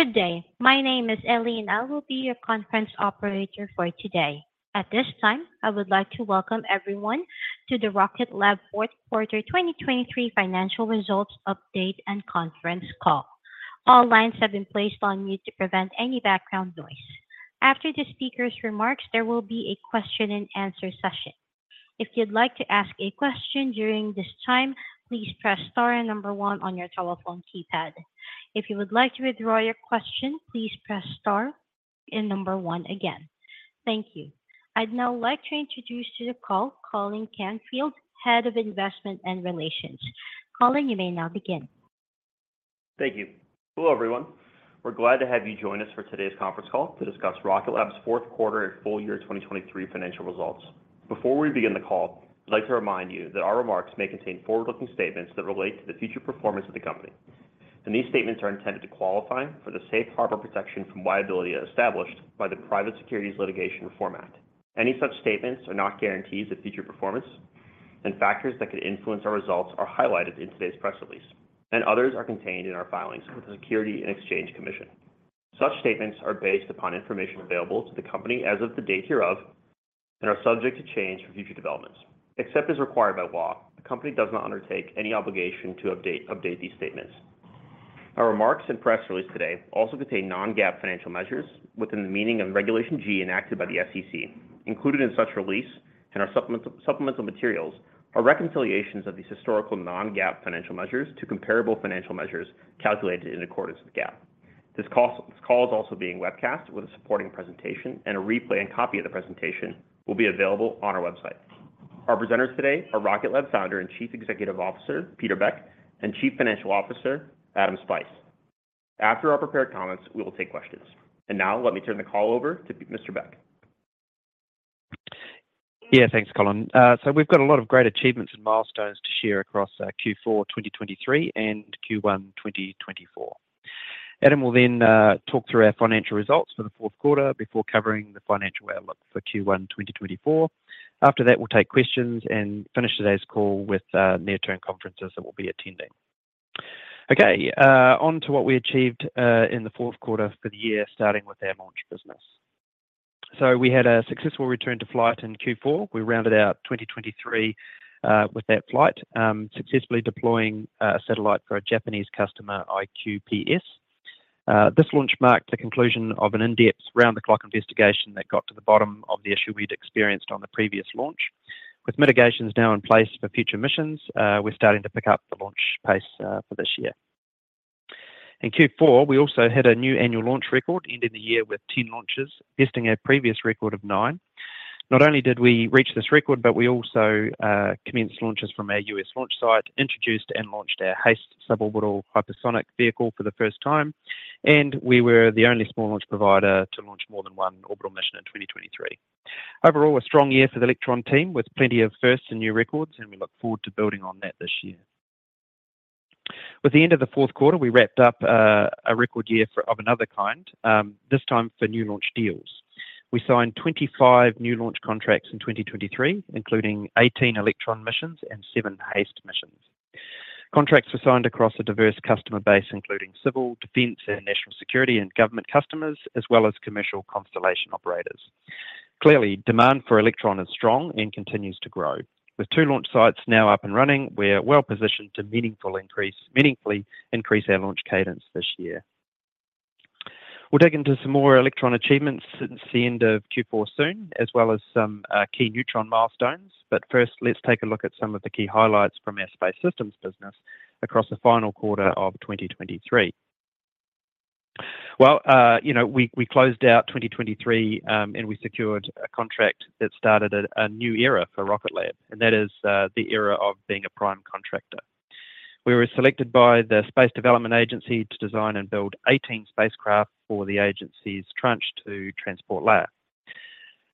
Good day. My name is Eileen. I will be your conference operator for today. At this time, I would like to welcome everyone to the Rocket Lab fourth quarter 2023 financial results update and conference call. All lines have been placed on mute to prevent any background noise. After the speaker's remarks, there will be a question-and-answer session. If you'd like to ask a question during this time, please press star and number one on your telephone keypad. If you would like to withdraw your question, please press star and number one again. Thank you. I'd now like to introduce to the call Colin Canfield, Head of Investment and Relations. Colin, you may now begin. Thank you. Hello everyone. We're glad to have you join us for today's conference call to discuss Rocket Lab's fourth quarter and full year 2023 financial results. Before we begin the call, I'd like to remind you that our remarks may contain forward-looking statements that relate to the future performance of the company, and these statements are intended to qualify for the safe harbor protection from liability established by the Private Securities Litigation Reform Act. Any such statements are not guarantees of future performance, and factors that could influence our results are highlighted in today's press release, and others are contained in our filings with the Securities and Exchange Commission. Such statements are based upon information available to the company as of the date hereof and are subject to change for future developments. Except as required by law, the company does not undertake any obligation to update these statements. Our remarks and press release today also contain non-GAAP financial measures within the meaning of Regulation G enacted by the SEC. Included in such release and our supplemental materials are reconciliations of these historical non-GAAP financial measures to comparable financial measures calculated in accordance with GAAP. This call is also being webcast with a supporting presentation, and a replay and copy of the presentation will be available on our website. Our presenters today are Rocket Lab founder and Chief Executive Officer Peter Beck and Chief Financial Officer Adam Spice. After our prepared comments, we will take questions. Now let me turn the call over to Mr. Beck. Yeah, thanks, Colin. So we've got a lot of great achievements and milestones to share across Q4 2023 and Q1 2024. Adam will then talk through our financial results for the fourth quarter before covering the financial outlook for Q1 2024. After that, we'll take questions and finish today's call with near-term conferences that we'll be attending. Okay, on to what we achieved in the fourth quarter for the year, starting with our launch business. So we had a successful return to flight in Q4. We rounded out 2023 with that flight, successfully deploying a satellite for a Japanese customer, iQPS. This launch marked the conclusion of an in-depth round-the-clock investigation that got to the bottom of the issue we'd experienced on the previous launch. With mitigations now in place for future missions, we're starting to pick up the launch pace for this year. In Q4, we also hit a new annual launch record, ending the year with 10 launches, besting our previous record of nine. Not only did we reach this record, but we also commenced launches from our U.S. launch site, introduced and launched our HASTE suborbital hypersonic vehicle for the first time, and we were the only small launch provider to launch more than one orbital mission in 2023. Overall, a strong year for the Electron team with plenty of firsts and new records, and we look forward to building on that this year. With the end of the fourth quarter, we wrapped up a record year of another kind, this time for new launch deals. We signed 25 new launch contracts in 2023, including 18 Electron missions and seven HASTE missions. Contracts were signed across a diverse customer base, including civil, defense, national security, and government customers, as well as commercial constellation operators. Clearly, demand for Electron is strong and continues to grow. With two launch sites now up and running, we're well positioned to meaningfully increase our launch cadence this year. We'll dig into some more Electron achievements since the end of Q4 soon, as well as some key Neutron milestones. But first, let's take a look at some of the key highlights from our Space Systems business across the final quarter of 2023. Well, we closed out 2023, and we secured a contract that started a new era for Rocket Lab, and that is the era of being a prime contractor. We were selected by the Space Development Agency to design and build 18 spacecraft for the agency's Tranche 2 Transport Layer.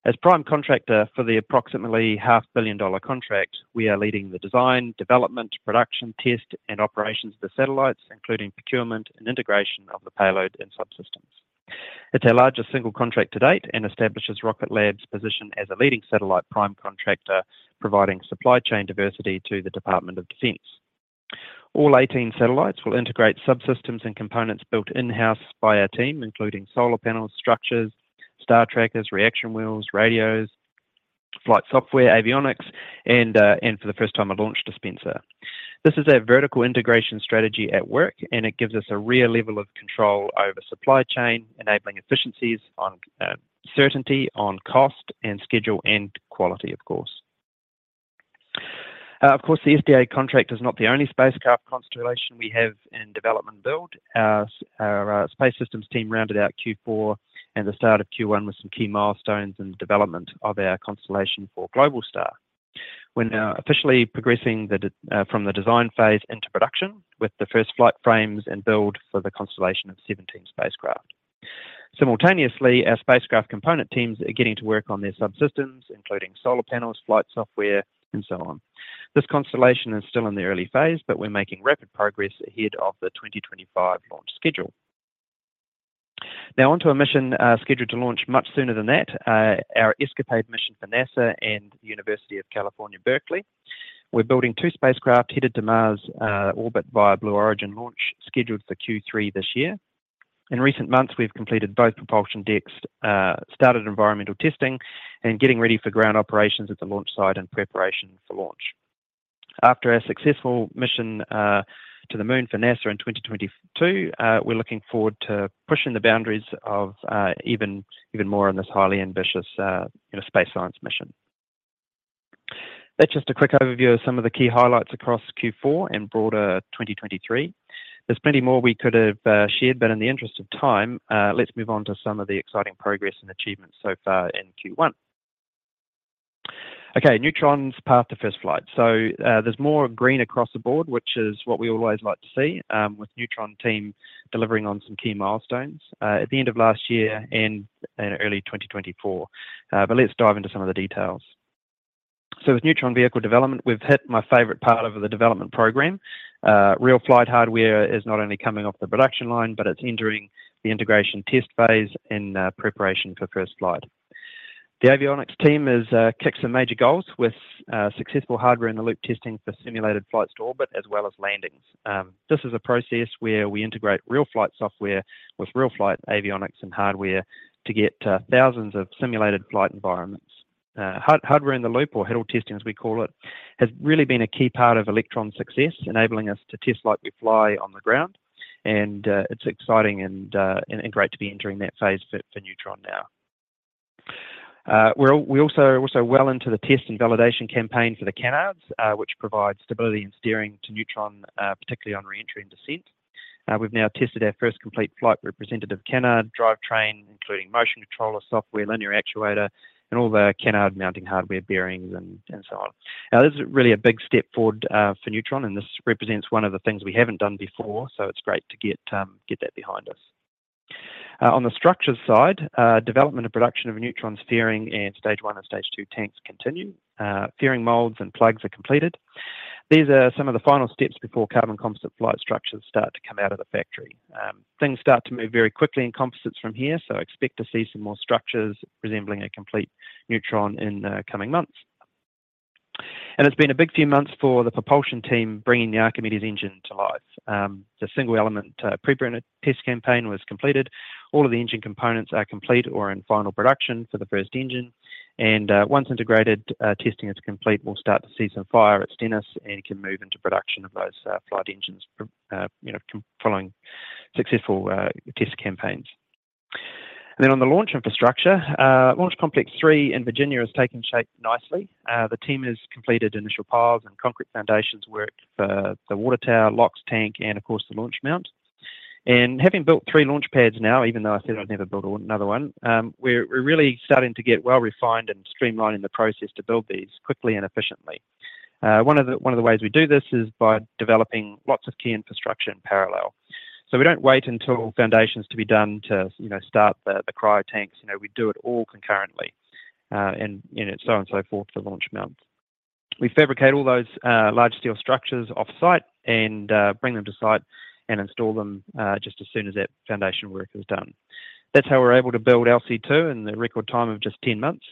As prime contractor for the approximately $500 million contract, we are leading the design, development, production, test, and operations of the satellites, including procurement and integration of the payload and subsystems. It's our largest single contract to date and establishes Rocket Lab's position as a leading satellite prime contractor, providing supply chain diversity to the Department of Defense. All 18 satellites will integrate subsystems and components built in-house by our team, including solar panels, structures, star trackers, reaction wheels, radios, flight software, avionics, and for the first time, a launch dispenser. This is our vertical integration strategy at work, and it gives us a real level of control over supply chain, enabling efficiencies, certainty on cost, and schedule and quality, of course. Of course, the SDA contract is not the only spacecraft constellation we have in development and build. Our Space Systems team rounded out Q4 and the start of Q1 with some key milestones in the development of our constellation for Globalstar. We're now officially progressing from the design phase into production with the first flight frames and build for the constellation of 17 spacecraft. Simultaneously, our spacecraft component teams are getting to work on their subsystems, including solar panels, flight software, and so on. This constellation is still in the early phase, but we're making rapid progress ahead of the 2025 launch schedule. Now, on to a mission scheduled to launch much sooner than that, our ESCAPADE mission for NASA and the University of California, Berkeley. We're building two spacecraft headed to Mars orbit via Blue Origin launch scheduled for Q3 this year. In recent months, we've completed both propulsion decks, started environmental testing, and getting ready for ground operations at the launch site in preparation for launch. After our successful mission to the Moon for NASA in 2022, we're looking forward to pushing the boundaries even more in this highly ambitious space science mission. That's just a quick overview of some of the key highlights across Q4 and broader 2023. There's plenty more we could have shared, but in the interest of time, let's move on to some of the exciting progress and achievements so far in Q1. Okay, Neutron's path to first flight. So there's more green across the board, which is what we always like to see with the Neutron team delivering on some key milestones at the end of last year and early 2024. Let's dive into some of the details. So with Neutron vehicle development, we've hit my favorite part of the development program. Real flight hardware is not only coming off the production line, but it's entering the integration test phase in preparation for first flight. The avionics team is kicking some major goals with successful Hardware-in-the-Loop testing for simulated flights to orbit as well as landings. This is a process where we integrate real flight software with real flight avionics and hardware to get thousands of simulated flight environments. Hardware-in-the-Loop, or HITL testing as we call it, has really been a key part of Electron's success, enabling us to test like we fly on the ground. And it's exciting and great to be entering that phase for Neutron now. We're also well into the test and validation campaign for the canards, which provides stability and steering to Neutron, particularly on reentry and descent. We've now tested our first complete flight representative canard drivetrain, including motion controller, software, linear actuator, and all the canard mounting hardware, bearings, and so on. Now, this is really a big step forward for Neutron, and this represents one of the things we haven't done before. So it's great to get that behind us. On the structures side, development and production of Neutron steering and stage one and stage two tanks continue. Fairing molds and plugs are completed. These are some of the final steps before carbon composite flight structures start to come out of the factory. Things start to move very quickly in composites from here, so expect to see some more structures resembling a complete Neutron in the coming months. And it's been a big few months for the propulsion team bringing the Archimedes engine to life. The single element preburner test campaign was completed. All of the engine components are complete or in final production for the first engine. Once integrated testing is complete, we'll start to see some fire at Stennis and can move into production of those flight engines following successful test campaigns. Then on the launch infrastructure, Launch Complex 3 in Virginia is taking shape nicely. The team has completed initial piles and concrete foundations work for the water tower, LOX, tank, and of course, the launch mount. Having built three launch pads now, even though I said I'd never build another one, we're really starting to get well refined and streamlining the process to build these quickly and efficiently. One of the ways we do this is by developing lots of key infrastructure in parallel. We don't wait until foundations to be done to start the cryo tanks. We do it all concurrently, and so on and so forth for launch mounts. We fabricate all those large steel structures off-site and bring them to site and install them just as soon as that foundation work is done. That's how we're able to build LC-2 in the record time of just 10 months.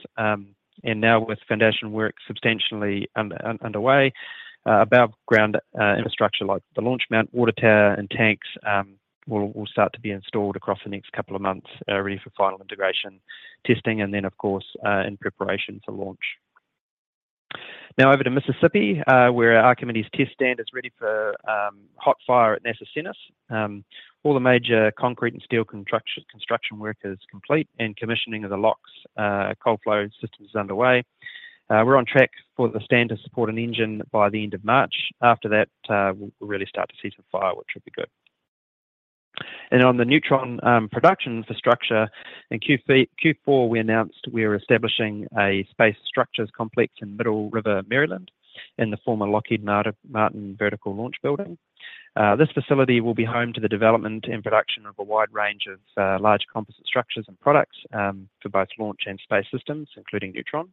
Now, with foundation work substantially underway, above-ground infrastructure like the launch mount, water tower, and tanks will start to be installed across the next couple of months, ready for final integration testing, and then, of course, in preparation for launch. Now, over to Mississippi, where our Archimedes test stand is ready for hot fire at NASA Stennis. All the major concrete and steel construction work is complete, and commissioning of the LOX, cold flow systems is underway. We're on track for the stand to support an engine by the end of March. After that, we'll really start to see some fire, which would be good. And on the Neutron production infrastructure, in Q4, we announced we were establishing a space structures complex in Middle River, Maryland, in the former Lockheed Martin Vertical Launch Building. This facility will be home to the development and production of a wide range of large composite structures and products for both launch and Space Systems, including Neutron.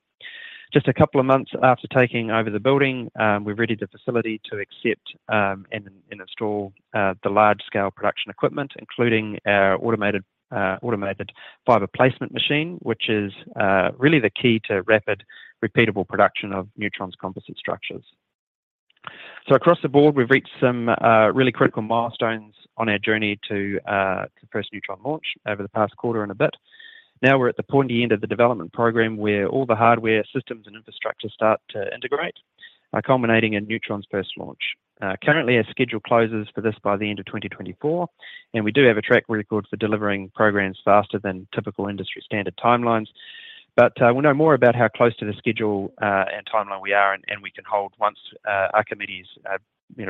Just a couple of months after taking over the building, we've readied the facility to accept and install the large-scale production equipment, including our automated fiber placement machine, which is really the key to rapid, repeatable production of Neutron's composite structures. So across the board, we've reached some really critical milestones on our journey to the first Neutron launch over the past quarter and a bit. Now, we're at the pointy end of the development program where all the hardware, systems, and infrastructure start to integrate, culminating in Neutron's first launch. Currently, our schedule closes for this by the end of 2024, and we do have a track record for delivering programs faster than typical industry standard timelines. But we'll know more about how close to the schedule and timeline we are, and we can hold once Archimedes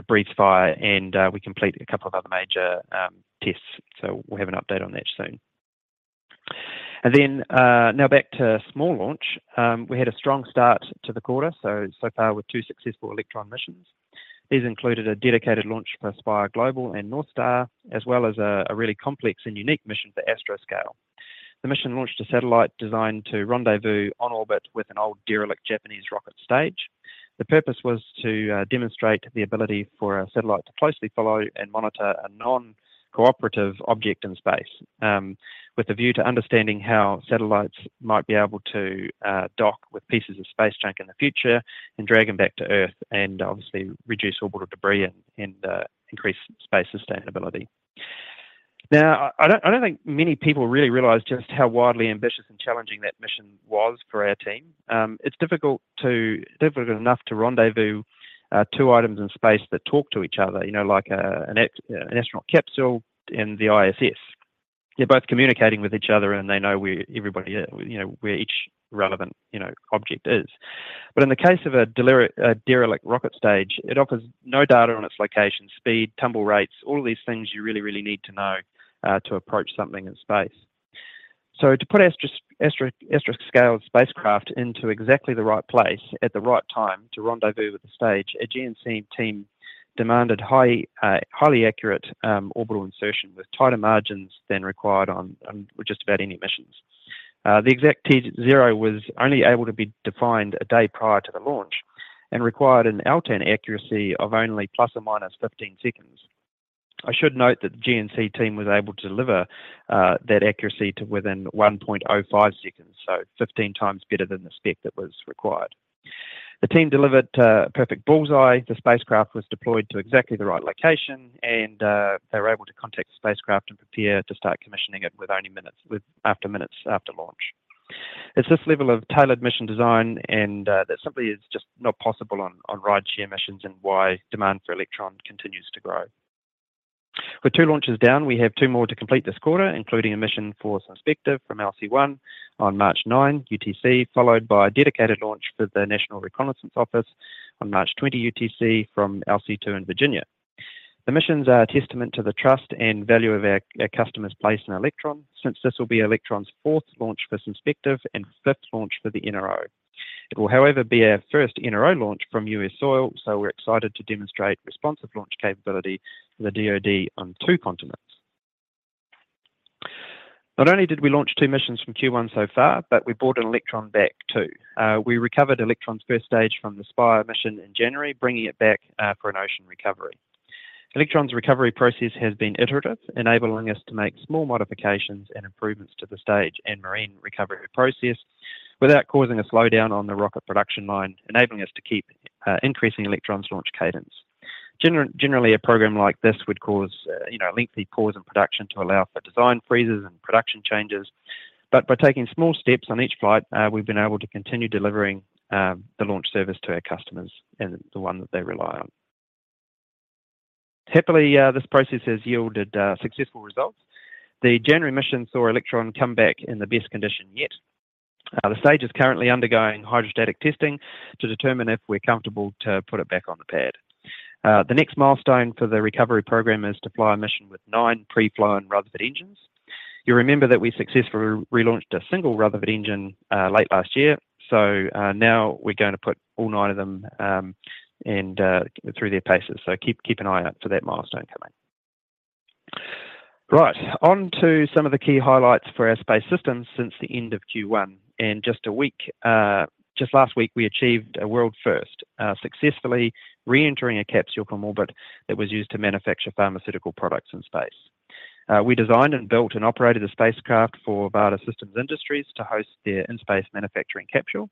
breathes fire and we complete a couple of other major tests. So we'll have an update on that soon. And then now back to small launch. We had a strong start to the quarter, so far with two successful Electron missions. These included a dedicated launch for Spire Global and NorthStar, as well as a really complex and unique mission for Astroscale. The mission launched a satellite designed to rendezvous on orbit with an old derelict Japanese rocket stage. The purpose was to demonstrate the ability for a satellite to closely follow and monitor a non-cooperative object in space, with a view to understanding how satellites might be able to dock with pieces of space junk in the future and drag them back to Earth and obviously reduce orbital debris and increase space sustainability. Now, I don't think many people really realize just how widely ambitious and challenging that mission was for our team. It's difficult enough to rendezvous two items in space that talk to each other, like an astronaut capsule and the ISS. They're both communicating with each other, and they know where each relevant object is. But in the case of a derelict rocket stage, it offers no data on its location, speed, tumble rates, all of these things you really, really need to know to approach something in space. So to put Astroscale spacecraft into exactly the right place at the right time to rendezvous with the stage, our GNC team demanded highly accurate orbital insertion with tighter margins than required on just about any missions. The exact T-0 was only able to be defined a day prior to the launch and required an LTAN accuracy of only ±15 seconds. I should note that the GNC team was able to deliver that accuracy to within 1.05 seconds, so 15x better than the spec that was required. The team delivered perfect bullseye. The spacecraft was deployed to exactly the right location, and they were able to contact the spacecraft and prepare to start commissioning it mere minutes after launch. It's this level of tailored mission design that simply is just not possible on rideshare missions and why demand for Electron continues to grow. With two launches down, we have two more to complete this quarter, including a mission for Synspective from LC-1 on March 9, UTC, followed by a dedicated launch for the National Reconnaissance Office on March 20, UTC, from LC-2 in Virginia. The missions are a testament to the trust our customers place in Electron, since this will be Electron's fourth launch for Synspective and fifth launch for the NRO. It will, however, be our first NRO launch from U.S. soil, so we're excited to demonstrate responsive launch capability for the DoD on two continents. Not only did we launch two missions from Q1 so far, but we brought an Electron back too. We recovered Electron's first stage from the Spire mission in January, bringing it back for an ocean recovery. Electron's recovery process has been iterative, enabling us to make small modifications and improvements to the stage and marine recovery process without causing a slowdown on the rocket production line, enabling us to keep increasing Electron's launch cadence. Generally, a program like this would cause lengthy pause in production to allow for design freezes and production changes. But by taking small steps on each flight, we've been able to continue delivering the launch service to our customers and the one that they rely on. Happily, this process has yielded successful results. The January mission saw Electron come back in the best condition yet. The stage is currently undergoing hydrostatic testing to determine if we're comfortable to put it back on the pad. The next milestone for the recovery program is to fly a mission with nine pre-flown Rutherford engines. You'll remember that we successfully relaunched a single Rutherford engine late last year. So now we're going to put all nine of them through their paces. So keep an eye out for that milestone coming. Right, on to some of the key highlights for our Space Systems since the end of Q1. Just last week, we achieved a world first, successfully re-entering a capsule from orbit that was used to manufacture pharmaceutical products in space. We designed and built and operated the spacecraft for Varda Space Industries to host their in-space manufacturing capsule.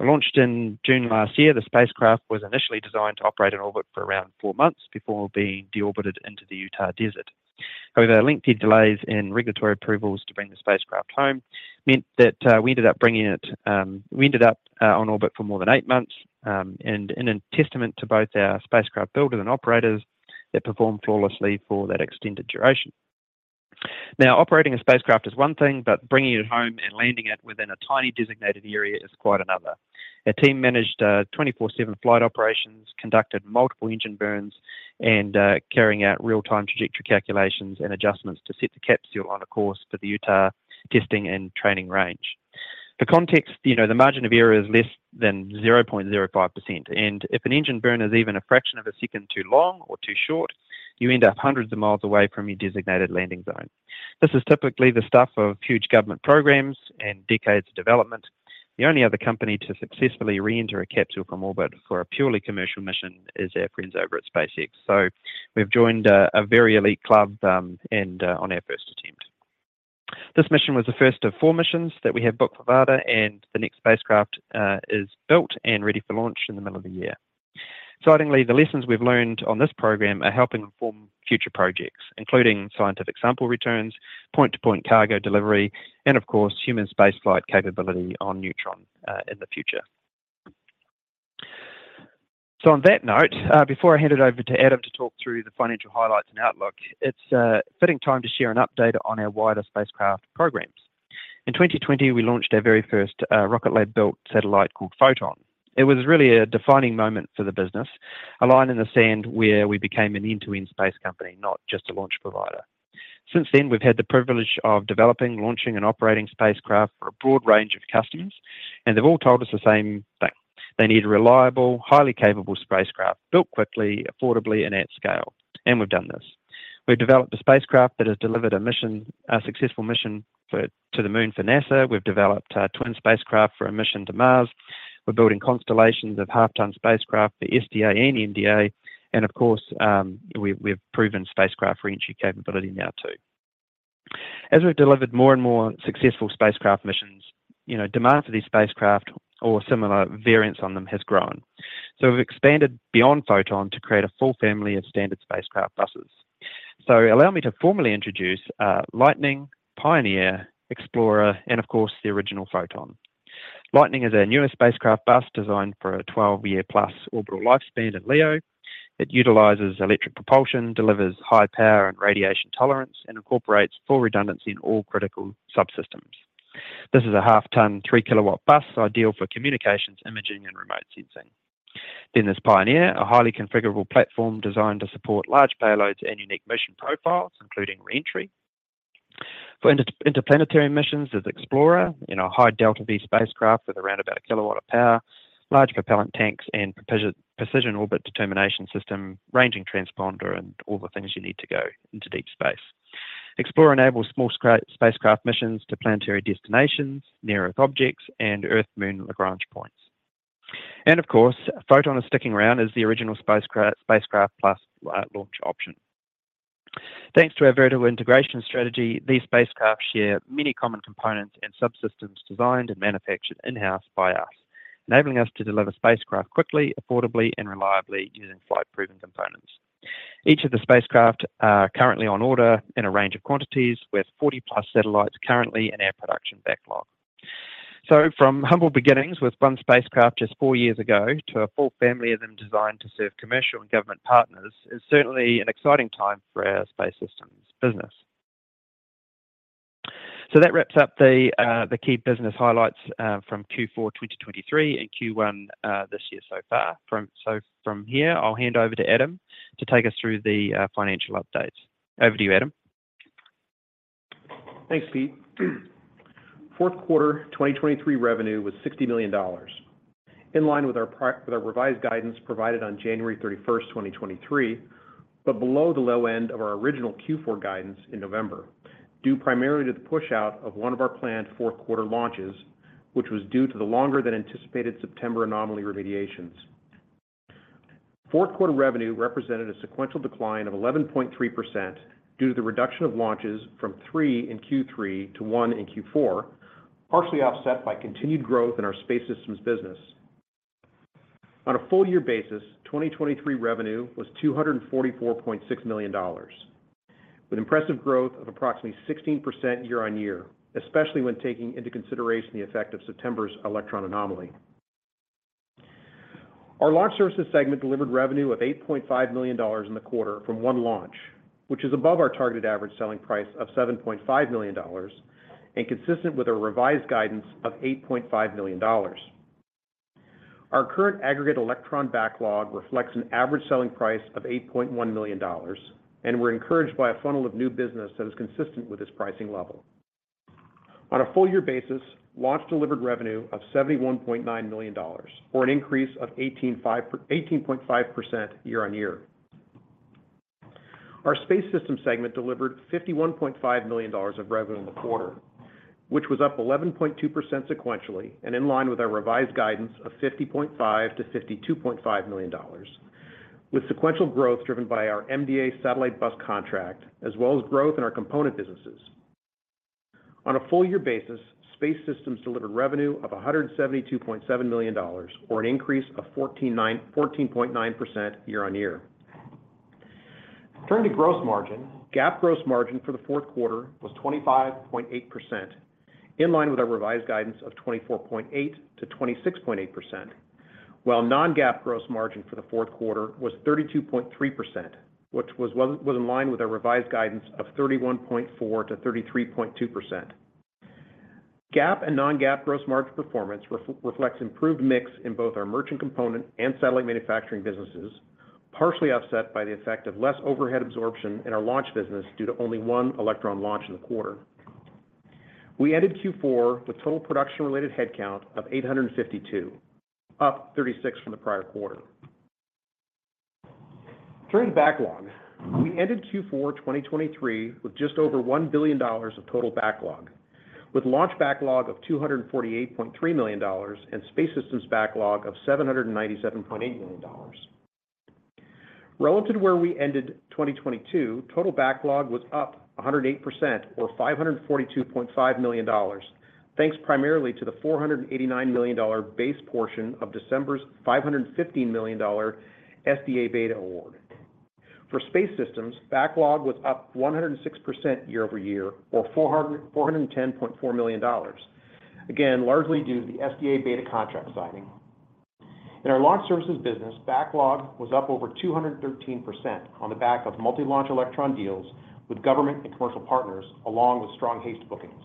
Launched in June last year, the spacecraft was initially designed to operate in orbit for around four months before being deorbited into the Utah Test and Training Range. However, lengthy delays in regulatory approvals to bring the spacecraft home meant that we ended up on orbit for more than eight months. In a testament to both our spacecraft builders and operators, it performed flawlessly for that extended duration. Now, operating a spacecraft is one thing, but bringing it home and landing it within a tiny designated area is quite another. Our team managed 24/7 flight operations, conducted multiple engine burns, and carried out real-time trajectory calculations and adjustments to set the capsule on a course for the Utah Test and Training Range. For context, the margin of error is less than 0.05%. If an engine burn is even a fraction of a second too long or too short, you end up hundreds of miles away from your designated landing zone. This is typically the stuff of huge government programs and decades of development. The only other company to successfully re-enter a capsule from orbit for a purely commercial mission is our friends over at SpaceX. So we've joined a very elite club and on our first attempt. This mission was the first of four missions that we have booked for Varda, and the next spacecraft is built and ready for launch in the middle of the year. Excitingly, the lessons we've learned on this program are helping inform future projects, including scientific sample returns, point-to-point cargo delivery, and of course, human spaceflight capability on Neutron in the future. So on that note, before I hand it over to Adam to talk through the financial highlights and outlook, it's a fitting time to share an update on our wider spacecraft programs. In 2020, we launched our very first Rocket Lab-built satellite called Photon. It was really a defining moment for the business, a line in the sand where we became an end-to-end space company, not just a launch provider. Since then, we've had the privilege of developing, launching, and operating spacecraft for a broad range of customers. And they've all told us the same thing. They need a reliable, highly capable spacecraft built quickly, affordably, and at scale. And we've done this. We've developed a spacecraft that has delivered a successful mission to the Moon for NASA. We've developed a twin spacecraft for a mission to Mars. We're building constellations of half-ton spacecraft for SDA and MDA. Of course, we've proven spacecraft re-entry capability now too. As we've delivered more and more successful spacecraft missions, demand for these spacecraft or similar variants on them has grown. We've expanded beyond Photon to create a full family of standard spacecraft buses. Allow me to formally introduce Lightning, Pioneer, Explorer, and of course, the original Photon. Lightning is our newest spacecraft bus designed for a 12-year+ orbital lifespan at LEO. It utilizes electric propulsion, delivers high power and radiation tolerance, and incorporates full redundancy in all critical subsystems. This is a half-ton, 3 kW bus ideal for communications, imaging, and remote sensing. There's Pioneer, a highly configurable platform designed to support large payloads and unique mission profiles, including re-entry. For interplanetary missions, there's Explorer, a high-delta-V spacecraft with around about 1 kW of power, large propellant tanks, and precision orbit determination system, ranging transponder, and all the things you need to go into deep space. Explorer enables small spacecraft missions to planetary destinations, near-Earth objects, and Earth-Moon Lagrange points. And of course, Photon is sticking around as the original spacecraft-plus-launch option. Thanks to our vertical integration strategy, these spacecraft share many common components and subsystems designed and manufactured in-house by us, enabling us to deliver spacecraft quickly, affordably, and reliably using flight-proven components. Each of the spacecraft are currently on order in a range of quantities, with 40+ satellites currently in our production backlog. So from humble beginnings with one spacecraft just four years ago to a full family of them designed to serve commercial and government partners is certainly an exciting time for our Space Systems business. So that wraps up the key business highlights from Q4 2023 and Q1 this year so far. From here, I'll hand over to Adam to take us through the financial updates. Over to you, Adam. Thanks, Pete. Fourth quarter 2023 revenue was $60 million, in line with our revised guidance provided on January 31st, 2023, but below the low end of our original Q4 guidance in November, due primarily to the push-out of one of our planned fourth quarter launches, which was due to the longer-than-anticipated September anomaly remediations. Fourth quarter revenue represented a sequential decline of 11.3% due to the reduction of launches from three in Q3 to one in Q4, partially offset by continued growth in our Space Systems business. On a full-year basis, 2023 revenue was $244.6 million, with impressive growth of approximately 16% year-over-year, especially when taking into consideration the effect of September's Electron anomaly. Our launch services segment delivered revenue of $8.5 million in the quarter from one launch, which is above our targeted average selling price of $7.5 million and consistent with our revised guidance of $8.5 million. Our current aggregate Electron backlog reflects an average selling price of $8.1 million, and we're encouraged by a funnel of new business that is consistent with this pricing level. On a full-year basis, launch delivered revenue of $71.9 million, or an increase of 18.5% year-on-year. Our Space Systems segment delivered $51.5 million of revenue in the quarter, which was up 11.2% sequentially and in line with our revised guidance of $50.5 million-$52.5 million, with sequential growth driven by our MDA satellite bus contract as well as growth in our component businesses. On a full-year basis, Space Systems delivered revenue of $172.7 million, or an increase of 14.9% year-on-year. Turning to gross margin, GAAP gross margin for the fourth quarter was 25.8%, in line with our revised guidance of 24.8%-26.8%, while non-GAAP gross margin for the fourth quarter was 32.3%, which was in line with our revised guidance of 31.4%-33.2%. GAAP and non-GAAP gross margin performance reflects improved mix in both our merchant component and satellite manufacturing businesses, partially offset by the effect of less overhead absorption in our launch business due to only one Electron launch in the quarter. We ended Q4 with total production-related headcount of 852, up 36 from the prior quarter. Turning to backlog, we ended Q4 2023 with just over $1 billion of total backlog, with launch backlog of $248.3 million and Space Systems backlog of $797.8 million. Relative to where we ended 2022, total backlog was up 108%, or $542.5 million, thanks primarily to the $489 million base portion of December's $515 million SDA beta award. For Space Systems, backlog was up 106% year-over-year, or $410.4 million, again, largely due to the SDA beta contract signing. In our launch services business, backlog was up over 213% on the back of multi-launch Electron deals with government and commercial partners, along with strong HASTE bookings.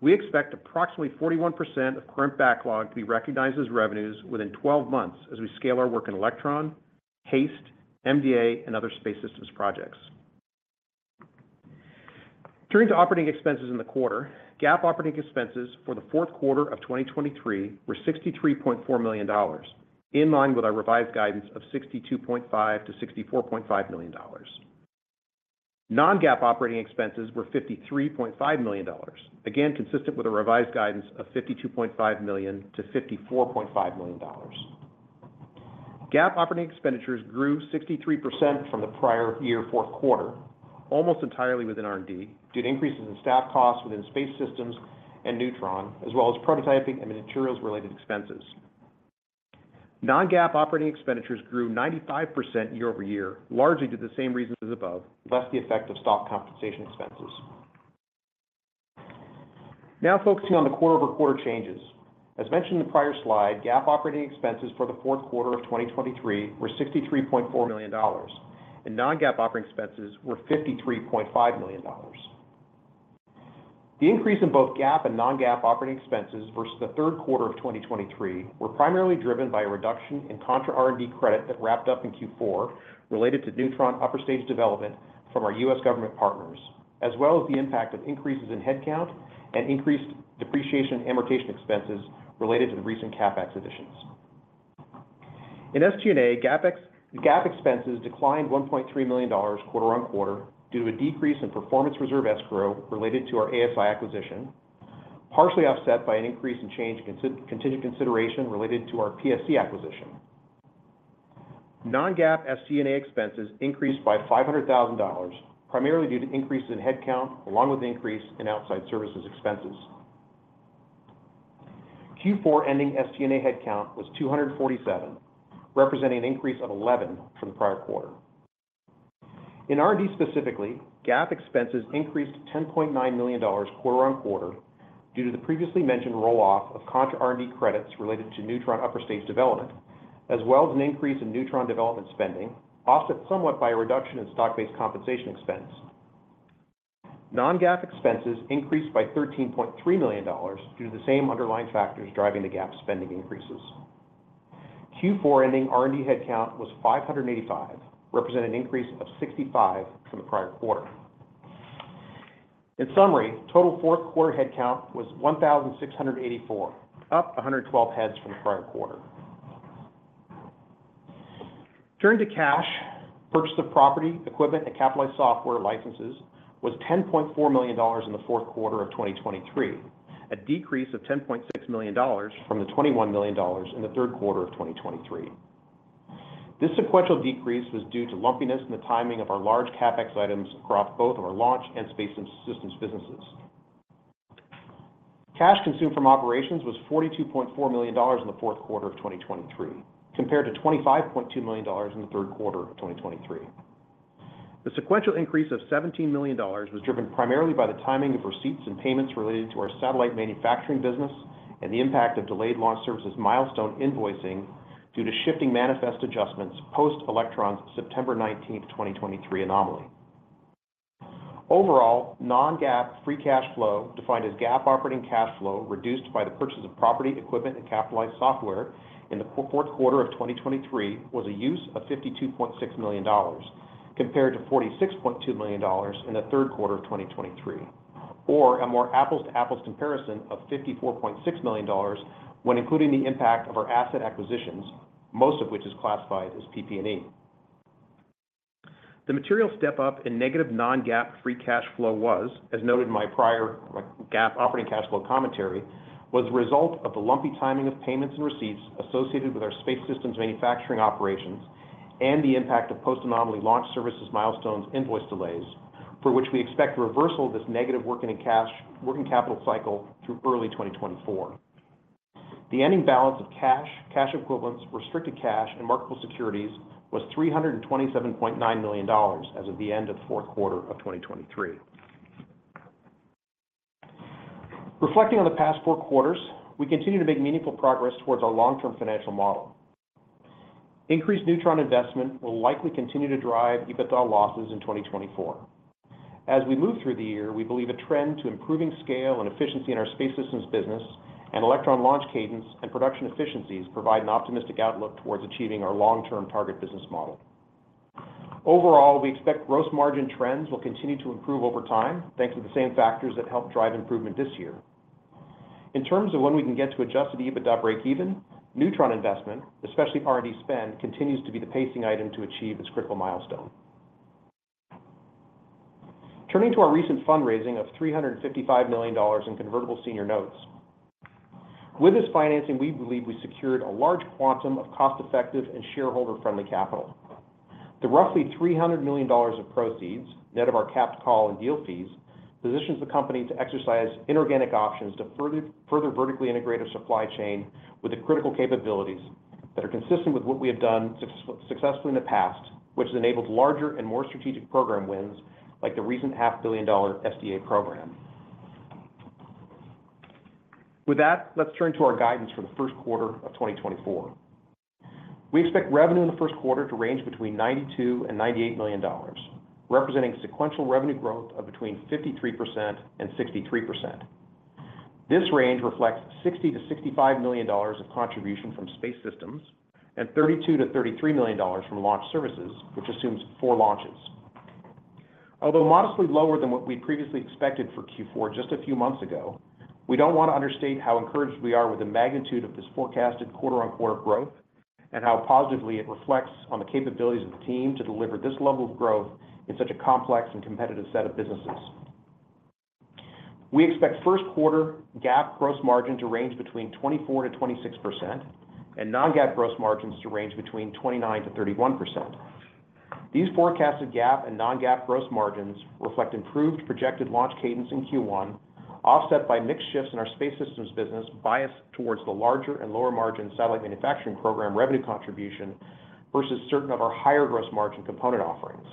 We expect approximately 41% of current backlog to be recognized as revenues within 12 months as we scale our work in Electron, HASTE, MDA, and other Space Systems projects. Turning to operating expenses in the quarter, GAAP operating expenses for the fourth quarter of 2023 were $63.4 million, in line with our revised guidance of $62.5 million-$64.5 million. Non-GAAP operating expenses were $53.5 million, again, consistent with our revised guidance of $52.5 million-$54.5 million. GAAP operating expenditures grew 63% from the prior year fourth quarter, almost entirely within R&D due to increases in staff costs within Space Systems and Neutron, as well as prototyping and materials-related expenses. Non-GAAP operating expenditures grew 95% year-over-year, largely due to the same reasons as above, less the effect of stock compensation expenses. Now focusing on the quarter-over-quarter changes. As mentioned in the prior slide, GAAP operating expenses for the fourth quarter of 2023 were $63.4 million, and non-GAAP operating expenses were $53.5 million. The increase in both GAAP and non-GAAP operating expenses versus the third quarter of 2023 were primarily driven by a reduction in contra-R&D credit that wrapped up in Q4 related to Neutron upper-stage development from our U.S. government partners, as well as the impact of increases in headcount and increased depreciation and amortization expenses related to the recent CapEx additions. In SG&A, GAAP expenses declined $1.3 million quarter on quarter due to a decrease in performance reserve escrow related to our ASI acquisition, partially offset by an increase in change and contingent consideration related to our PSC acquisition. Non-GAAP SG&A expenses increased by $500,000, primarily due to increases in headcount along with an increase in outside services expenses. Q4 ending SG&A headcount was 247, representing an increase of 11 from the prior quarter. In R&D specifically, GAAP expenses increased $10.9 million quarter-over-quarter due to the previously mentioned roll-off of contra-R&D credits related to Neutron upper-stage development, as well as an increase in Neutron development spending, offset somewhat by a reduction in stock-based compensation expense. Non-GAAP expenses increased by $13.3 million due to the same underlying factors driving the GAAP spending increases. Q4 ending R&D headcount was 585, representing an increase of 65 from the prior quarter. In summary, total fourth quarter headcount was 1,684, up 112 heads from the prior quarter. Turning to cash, purchase of property, equipment, and capitalized software licenses was $10.4 million in the fourth quarter of 2023, a decrease of $10.6 million from the $21 million in the third quarter of 2023. This sequential decrease was due to lumpiness in the timing of our large CapEx items across both of our launch and Space Systems businesses. Cash consumed from operations was $42.4 million in the fourth quarter of 2023, compared to $25.2 million in the third quarter of 2023. The sequential increase of $17 million was driven primarily by the timing of receipts and payments related to our satellite manufacturing business and the impact of delayed launch services milestone invoicing due to shifting manifest adjustments post-Electron's September 19th, 2023 anomaly. Overall, non-GAAP free cash flow, defined as GAAP operating cash flow reduced by the purchase of property, equipment, and capitalized software in the fourth quarter of 2023, was a use of $52.6 million, compared to $46.2 million in the third quarter of 2023, or a more apples-to-apples comparison of $54.6 million when including the impact of our asset acquisitions, most of which is classified as PP&E. The material step-up in negative non-GAAP free cash flow was, as noted in my prior GAAP operating cash flow commentary, the result of the lumpy timing of payments and receipts associated with our Space Systems manufacturing operations and the impact of post-anomaly Launch Services milestones invoice delays, for which we expect reversal of this negative working capital cycle through early 2024. The ending balance of cash, cash equivalents, restricted cash, and marketable securities was $327.9 million as of the end of the fourth quarter of 2023. Reflecting on the past four quarters, we continue to make meaningful progress towards our long-term financial model. Increased Neutron investment will likely continue to drive EBITDA losses in 2024. As we move through the year, we believe a trend to improving scale and efficiency in our Space Systems business and Electron launch cadence and production efficiencies provide an optimistic outlook towards achieving our long-term target business model. Overall, we expect gross margin trends will continue to improve over time, thanks to the same factors that helped drive improvement this year. In terms of when we can get to adjusted EBITDA break-even, Neutron investment, especially R&D spend, continues to be the pacing item to achieve its critical milestone. Turning to our recent fundraising of $355 million in convertible senior notes. With this financing, we believe we secured a large quantum of cost-effective and shareholder-friendly capital. The roughly $300 million of proceeds, net of our capped call and deal fees, positions the company to exercise inorganic options to further vertically integrate our supply chain with the critical capabilities that are consistent with what we have done successfully in the past, which has enabled larger and more strategic program wins like the recent $500 million SDA program. With that, let's turn to our guidance for the first quarter of 2024. We expect revenue in the first quarter to range between $92 million and $98 million, representing sequential revenue growth of between 53% and 63%. This range reflects $60 million-$65 million of contribution from Space Systems and $32 milliom-$33 million from launch services, which assumes four launches. Although modestly lower than what we'd previously expected for Q4 just a few months ago, we don't want to understate how encouraged we are with the magnitude of this forecasted quarter-over-quarter growth and how positively it reflects on the capabilities of the team to deliver this level of growth in such a complex and competitive set of businesses. We expect first quarter GAAP gross margin to range between 24%-26% and non-GAAP gross margins to range between 29%-31%. These forecasted GAAP and non-GAAP gross margins reflect improved projected launch cadence in Q1, offset by mixed shifts in our Space Systems business bias towards the larger and lower margin satellite manufacturing program revenue contribution versus certain of our higher gross margin component offerings.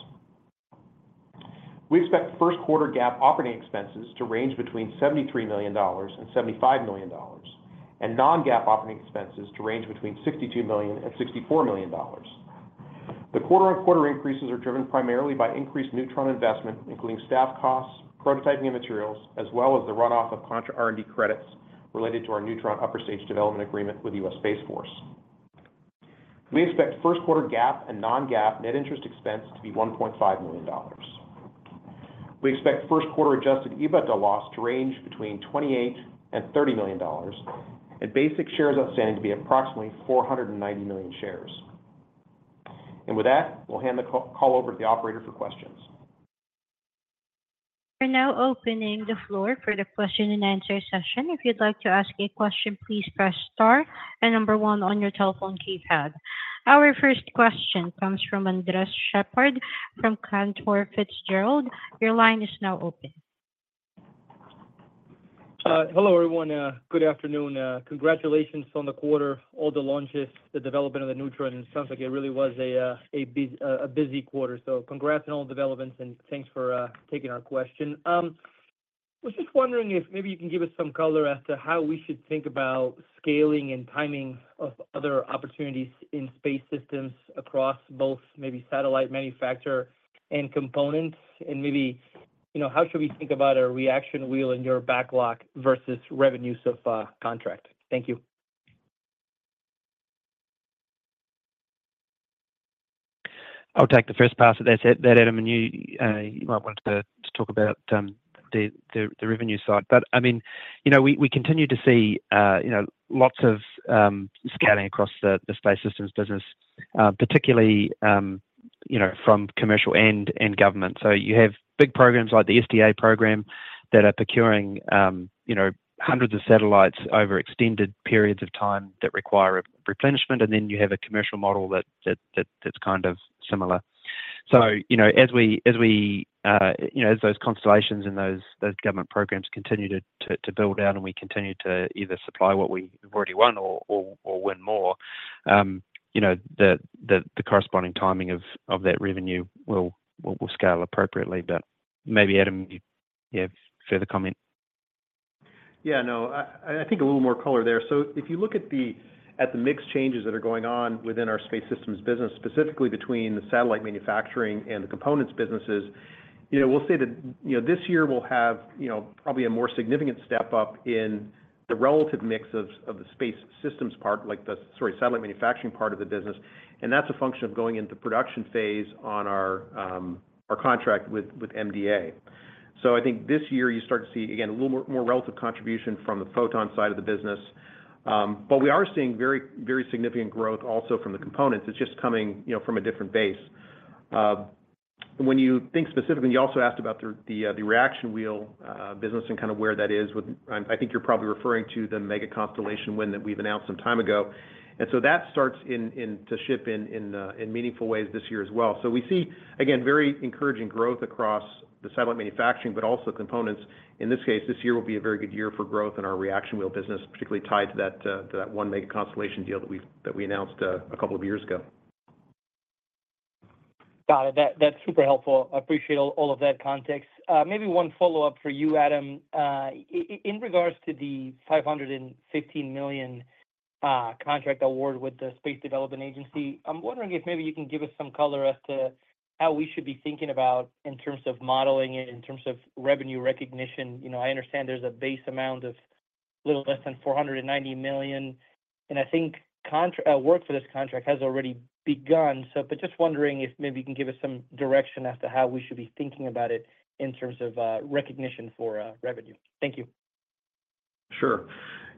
We expect first quarter GAAP operating expenses to range between $73 million and $75 million, and non-GAAP operating expenses to range between $62 million and $64 million. The quarter-on-quarter increases are driven primarily by increased Neutron investment, including staff costs, prototyping and materials, as well as the runoff of contra-R&D credits related to our Neutron upper-stage development agreement with the U.S. Space Force. We expect first quarter GAAP and non-GAAP net interest expense to be $1.5 million. We expect first quarter adjusted EBITDA loss to range between $28million and $30 million, and basic shares outstanding to be approximately 490 million shares. And with that, we'll hand the call over to the operator for questions. We're now opening the floor for the question-and-answer session. If you'd like to ask a question, please press star and number one on your telephone keypad. Our first question comes from Andres Sheppard from Cantor Fitzgerald. Your line is now open. Hello, everyone. Good afternoon. Congratulations on the quarter, all the launches, the development of the Neutron. It sounds like it really was a busy quarter. So congrats on all developments, and thanks for taking our question. I was just wondering if maybe you can give us some color as to how we should think about scaling and timing of other opportunities in Space Systems across both maybe satellite manufacturer and components, and maybe how should we think about our reaction wheel and your backlog versus revenues of contract. Thank you. I'll take the first pass at that, Adam. And you might want to talk about the revenue side. But I mean, we continue to see lots of scaling across the Space Systems business, particularly from commercial and government. So you have big programs like the SDA program that are procuring hundreds of satellites over extended periods of time that require replenishment, and then you have a commercial model that's kind of similar. So as those constellations and those government programs continue to build out and we continue to either supply what we've already won or win more, the corresponding timing of that revenue will scale appropriately. But maybe, Adam, you have further comment. Yeah. No, I think a little more color there. So if you look at the mix changes that are going on within our Space Systems business, specifically between the satellite manufacturing and the components businesses, we'll say that this year we'll have probably a more significant step-up in the relative mix of the Space Systems part, sorry, satellite manufacturing part of the business. And that's a function of going into production phase on our contract with MDA. So I think this year you start to see, again, a little more relative contribution from the Photon side of the business. But we are seeing very, very significant growth also from the components. It's just coming from a different base. When you think specifically, you also asked about the reaction wheel business and kind of where that is. I think you're probably referring to the mega constellation win that we've announced some time ago. And so that starts to ship in meaningful ways this year as well. So we see, again, very encouraging growth across the satellite manufacturing, but also components. In this case, this year will be a very good year for growth in our reaction wheel business, particularly tied to that one mega constellation deal that we announced a couple of years ago. Got it. That's super helpful. I appreciate all of that context. Maybe one follow-up for you, Adam. In regards to the $515 million contract award with the Space Development Agency, I'm wondering if maybe you can give us some color as to how we should be thinking about in terms of modeling and in terms of revenue recognition. I understand there's a base amount of a little less than $490 million, and I think work for this contract has already begun. But just wondering if maybe you can give us some direction as to how we should be thinking about it in terms of recognition for revenue. Thank you. Sure.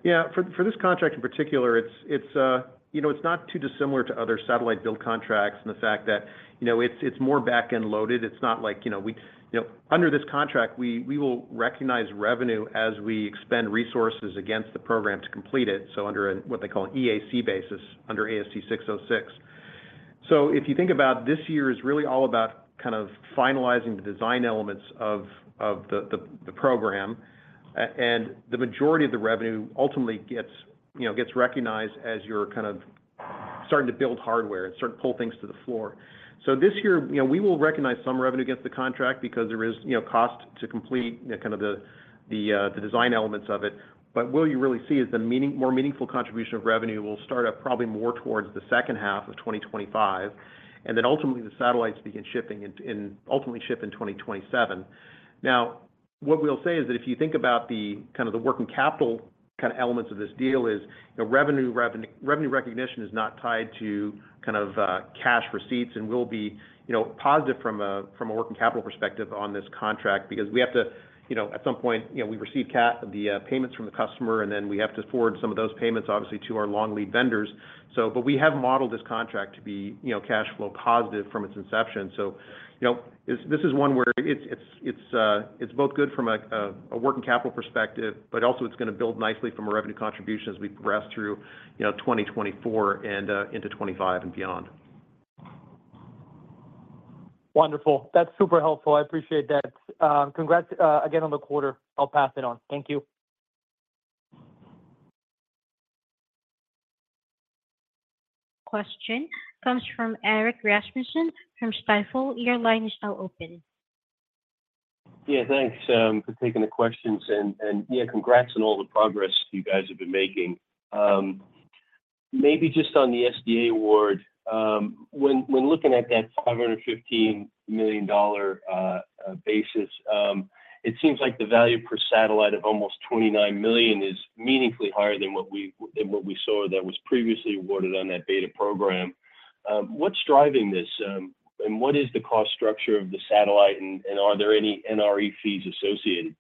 Yeah. For this contract in particular, it's not too dissimilar to other satellite build contracts in the fact that it's more back-end loaded. It's not like we under this contract, we will recognize revenue as we expend resources against the program to complete it. So under what they call an EAC basis, under ASC 606. So if you think about it, this year is really all about kind of finalizing the design elements of the program. And the majority of the revenue ultimately gets recognized as you're kind of starting to build hardware and starting to pull things to the floor. So this year, we will recognize some revenue against the contract because there is cost to complete kind of the design elements of it. But what you really see is the more meaningful contribution of revenue will start up probably more towards the second half of 2025, and then ultimately, the satellites begin shipping and ultimately ship in 2027. Now, what we'll say is that if you think about kind of the working capital kind of elements of this deal is revenue recognition is not tied to kind of cash receipts and will be positive from a working capital perspective on this contract because we have to at some point, we receive the payments from the customer, and then we have to forward some of those payments, obviously, to our long lead vendors. But we have modeled this contract to be cash flow positive from its inception. This is one where it's both good from a working capital perspective, but also, it's going to build nicely from a revenue contribution as we progress through 2024 and into 2025 and beyond. Wonderful. That's super helpful. I appreciate that. Congrats again on the quarter. I'll pass it on. Thank you. Question comes from Erik Rasmussen from Stifel. Your line is now open. Yeah. Thanks for taking the questions. And yeah, congrats on all the progress you guys have been making. Maybe just on the SDA award, when looking at that $515 million basis, it seems like the value per satellite of almost $29 million is meaningfully higher than what we saw that was previously awarded on that beta program. What's driving this? And what is the cost structure of the satellite, and are there any NRE fees associated?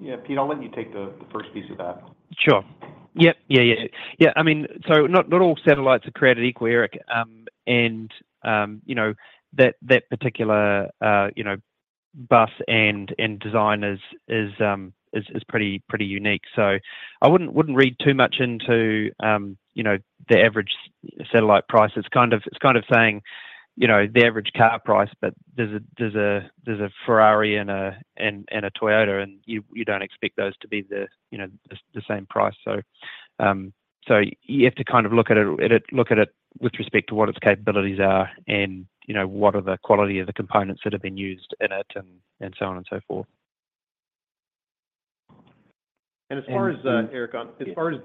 Yeah, Pete, I'll let you take the first piece of that. Sure. Yep. Yeah, yeah, yeah. Yeah. I mean, so not all satellites are created equal, Erik. That particular bus and design is pretty unique. I wouldn't read too much into the average satellite price. It's kind of saying the average car price, but there's a Ferrari and a Toyota, and you don't expect those to be the same price. You have to kind of look at it with respect to what its capabilities are and what are the quality of the components that have been used in it and so on and so forth. As far as, Erik, as far as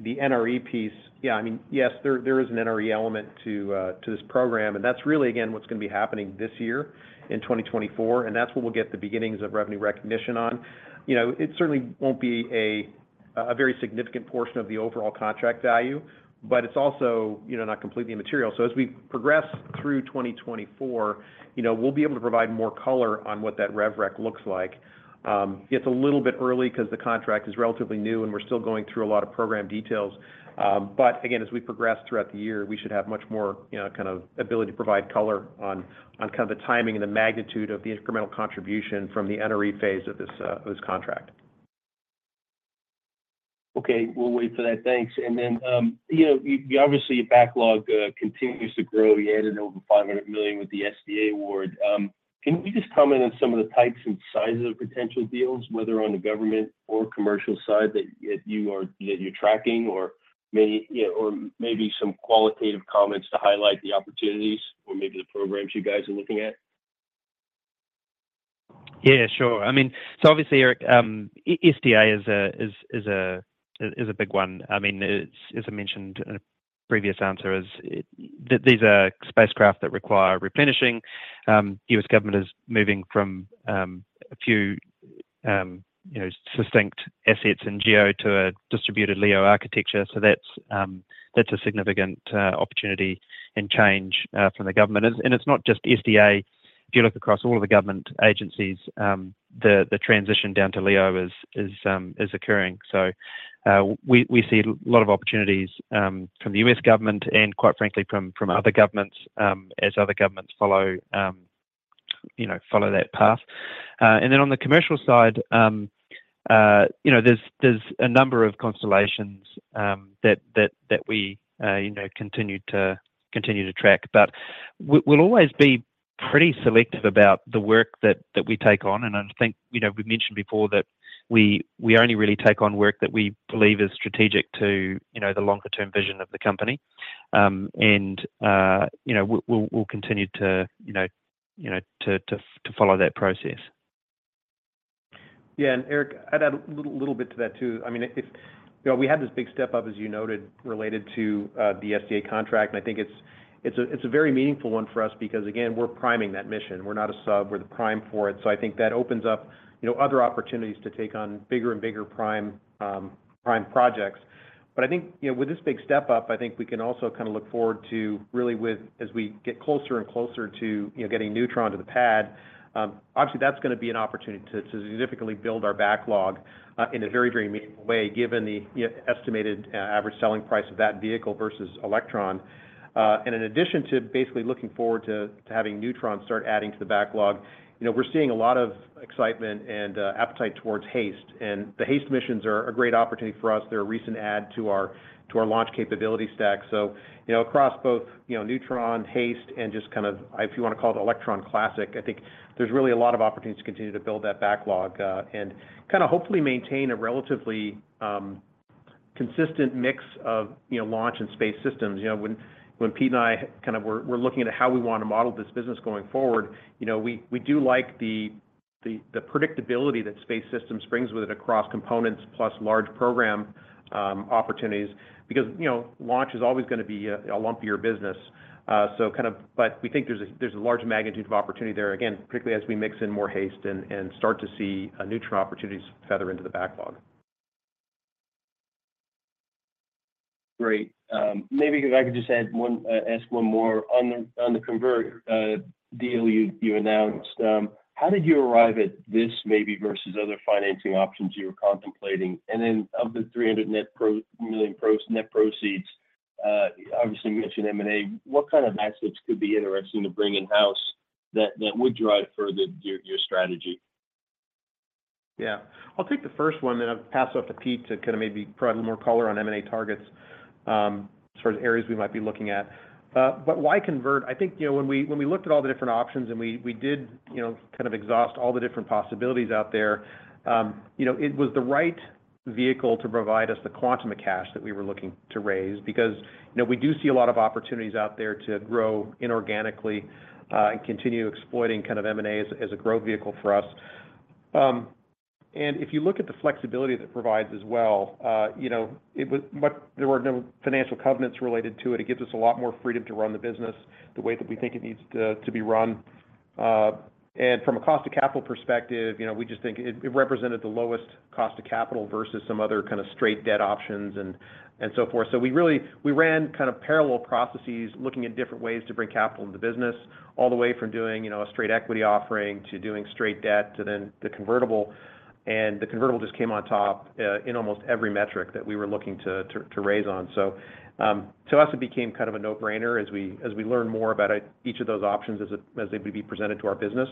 the NRE piece, yeah, I mean, yes, there is an NRE element to this program. That's really, again, what's going to be happening this year in 2024. That's what we'll get the beginnings of revenue recognition on. It certainly won't be a very significant portion of the overall contract value, but it's also not completely immaterial. As we progress through 2024, we'll be able to provide more color on what that RevRec looks like. It's a little bit early because the contract is relatively new, and we're still going through a lot of program details. Again, as we progress throughout the year, we should have much more kind of ability to provide color on kind of the timing and the magnitude of the incremental contribution from the NRE phase of this contract. Okay. We'll wait for that. Thanks. And then obviously, your backlog continues to grow. You added over $500 million with the SDA award. Can you just comment on some of the types and sizes of potential deals, whether on the government or commercial side that you're tracking, or maybe some qualitative comments to highlight the opportunities or maybe the programs you guys are looking at? Yeah, sure. I mean, so obviously, Erik, SDA is a big one. I mean, as I mentioned in a previous answer, these are spacecraft that require replenishing. The U.S. government is moving from a few distinct assets in geo to a distributed LEO architecture. So that's a significant opportunity and change from the government. And it's not just SDA. If you look across all of the government agencies, the transition down to LEO is occurring. So we see a lot of opportunities from the U.S. government and, quite frankly, from other governments as other governments follow that path. And then on the commercial side, there's a number of constellations that we continue to track. But we'll always be pretty selective about the work that we take on. And I think we mentioned before that we only really take on work that we believe is strategic to the longer-term vision of the company. And we'll continue to follow that process. Yeah. And Erik, I'd add a little bit to that too. I mean, we had this big step-up, as you noted, related to the SDA contract. And I think it's a very meaningful one for us because, again, we're priming that mission. We're not a sub. We're the prime for it. So I think that opens up other opportunities to take on bigger and bigger prime projects. But I think with this big step-up, I think we can also kind of look forward to really, as we get closer and closer to getting Neutron to the pad, obviously, that's going to be an opportunity to significantly build our backlog in a very, very meaningful way given the estimated average selling price of that vehicle versus Electron. In addition to basically looking forward to having Neutron start adding to the backlog, we're seeing a lot of excitement and appetite towards HASTE. And the HASTE missions are a great opportunity for us. They're a recent add to our launch capability stack. So across both Neutron, HASTE, and just kind of, if you want to call it, Electron Classic, I think there's really a lot of opportunities to continue to build that backlog and kind of hopefully maintain a relatively consistent mix of launch and Space Systems. When Pete and I kind of were looking at how we want to model this business going forward, we do like the predictability that Space Systems brings with it across components plus large program opportunities because launch is always going to be a lumpier business. But we think there's a large magnitude of opportunity there, again, particularly as we mix in more HASTE and start to see Neutron opportunities feather into the backlog. Great. Maybe if I could just ask one more on the convert deal you announced, how did you arrive at this maybe versus other financing options you were contemplating? And then of the $300 million net proceeds, obviously, you mentioned M&A. What kind of assets could be interesting to bring in-house that would drive further your strategy? Yeah. I'll take the first one, and then I'll pass it off to Pete to kind of maybe provide a little more color on M&A targets as far as areas we might be looking at. But why convert? I think when we looked at all the different options and we did kind of exhaust all the different possibilities out there, it was the right vehicle to provide us the quantum of cash that we were looking to raise because we do see a lot of opportunities out there to grow inorganically and continue exploiting kind of M&A as a growth vehicle for us. And if you look at the flexibility that it provides as well, there were no financial covenants related to it. It gives us a lot more freedom to run the business the way that we think it needs to be run. And from a cost of capital perspective, we just think it represented the lowest cost of capital versus some other kind of straight debt options and so forth. So we ran kind of parallel processes looking at different ways to bring capital into the business all the way from doing a straight equity offering to doing straight debt to then the convertible. And the convertible just came on top in almost every metric that we were looking to raise on. So to us, it became kind of a no-brainer as we learned more about each of those options as they would be presented to our business.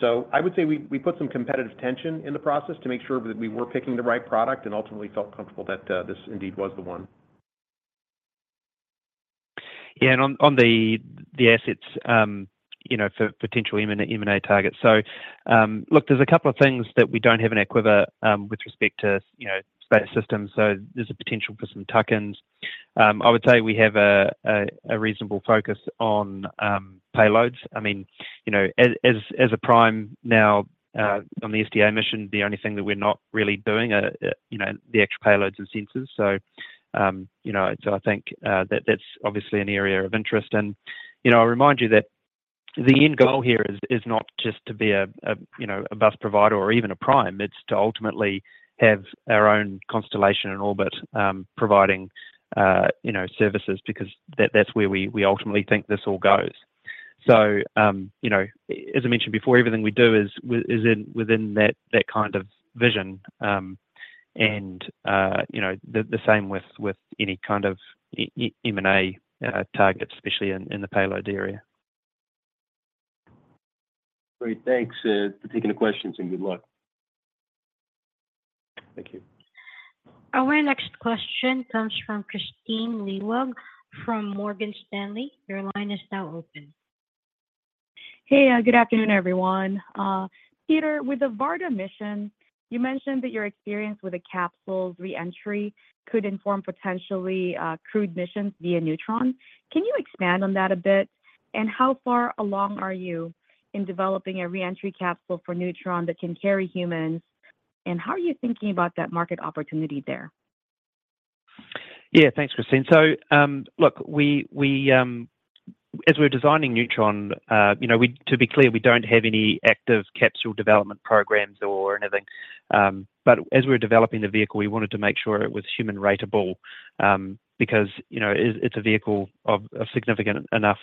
So I would say we put some competitive tension in the process to make sure that we were picking the right product and ultimately felt comfortable that this indeed was the one. Yeah. And on the assets for potential M&A targets. So look, there's a couple of things that we don't have an equivalent with respect to Space Systems. So there's a potential for some tuck-ins. I would say we have a reasonable focus on payloads. I mean, as a prime now on the SDA mission, the only thing that we're not really doing are the actual payloads and sensors. So I think that that's obviously an area of interest. And I'll remind you that the end goal here is not just to be a bus provider or even a prime. It's to ultimately have our own constellation in orbit providing services because that's where we ultimately think this all goes. So as I mentioned before, everything we do is within that kind of vision. And the same with any kind of M&A target, especially in the payload area. Great. Thanks for taking the questions, and good luck. Thank you. Our next question comes from Kristine Liwag from Morgan Stanley. Your line is now open. Hey. Good afternoon, everyone. Peter, with the Varda mission, you mentioned that your experience with the capsule's reentry could inform potentially crewed missions via Neutron. Can you expand on that a bit? And how far along are you in developing a reentry capsule for Neutron that can carry humans? And how are you thinking about that market opportunity there? Yeah. Thanks, Kristine. So look, as we're designing Neutron, to be clear, we don't have any active capsule development programs or anything. But as we were developing the vehicle, we wanted to make sure it was human-ratable because it's a vehicle of significant enough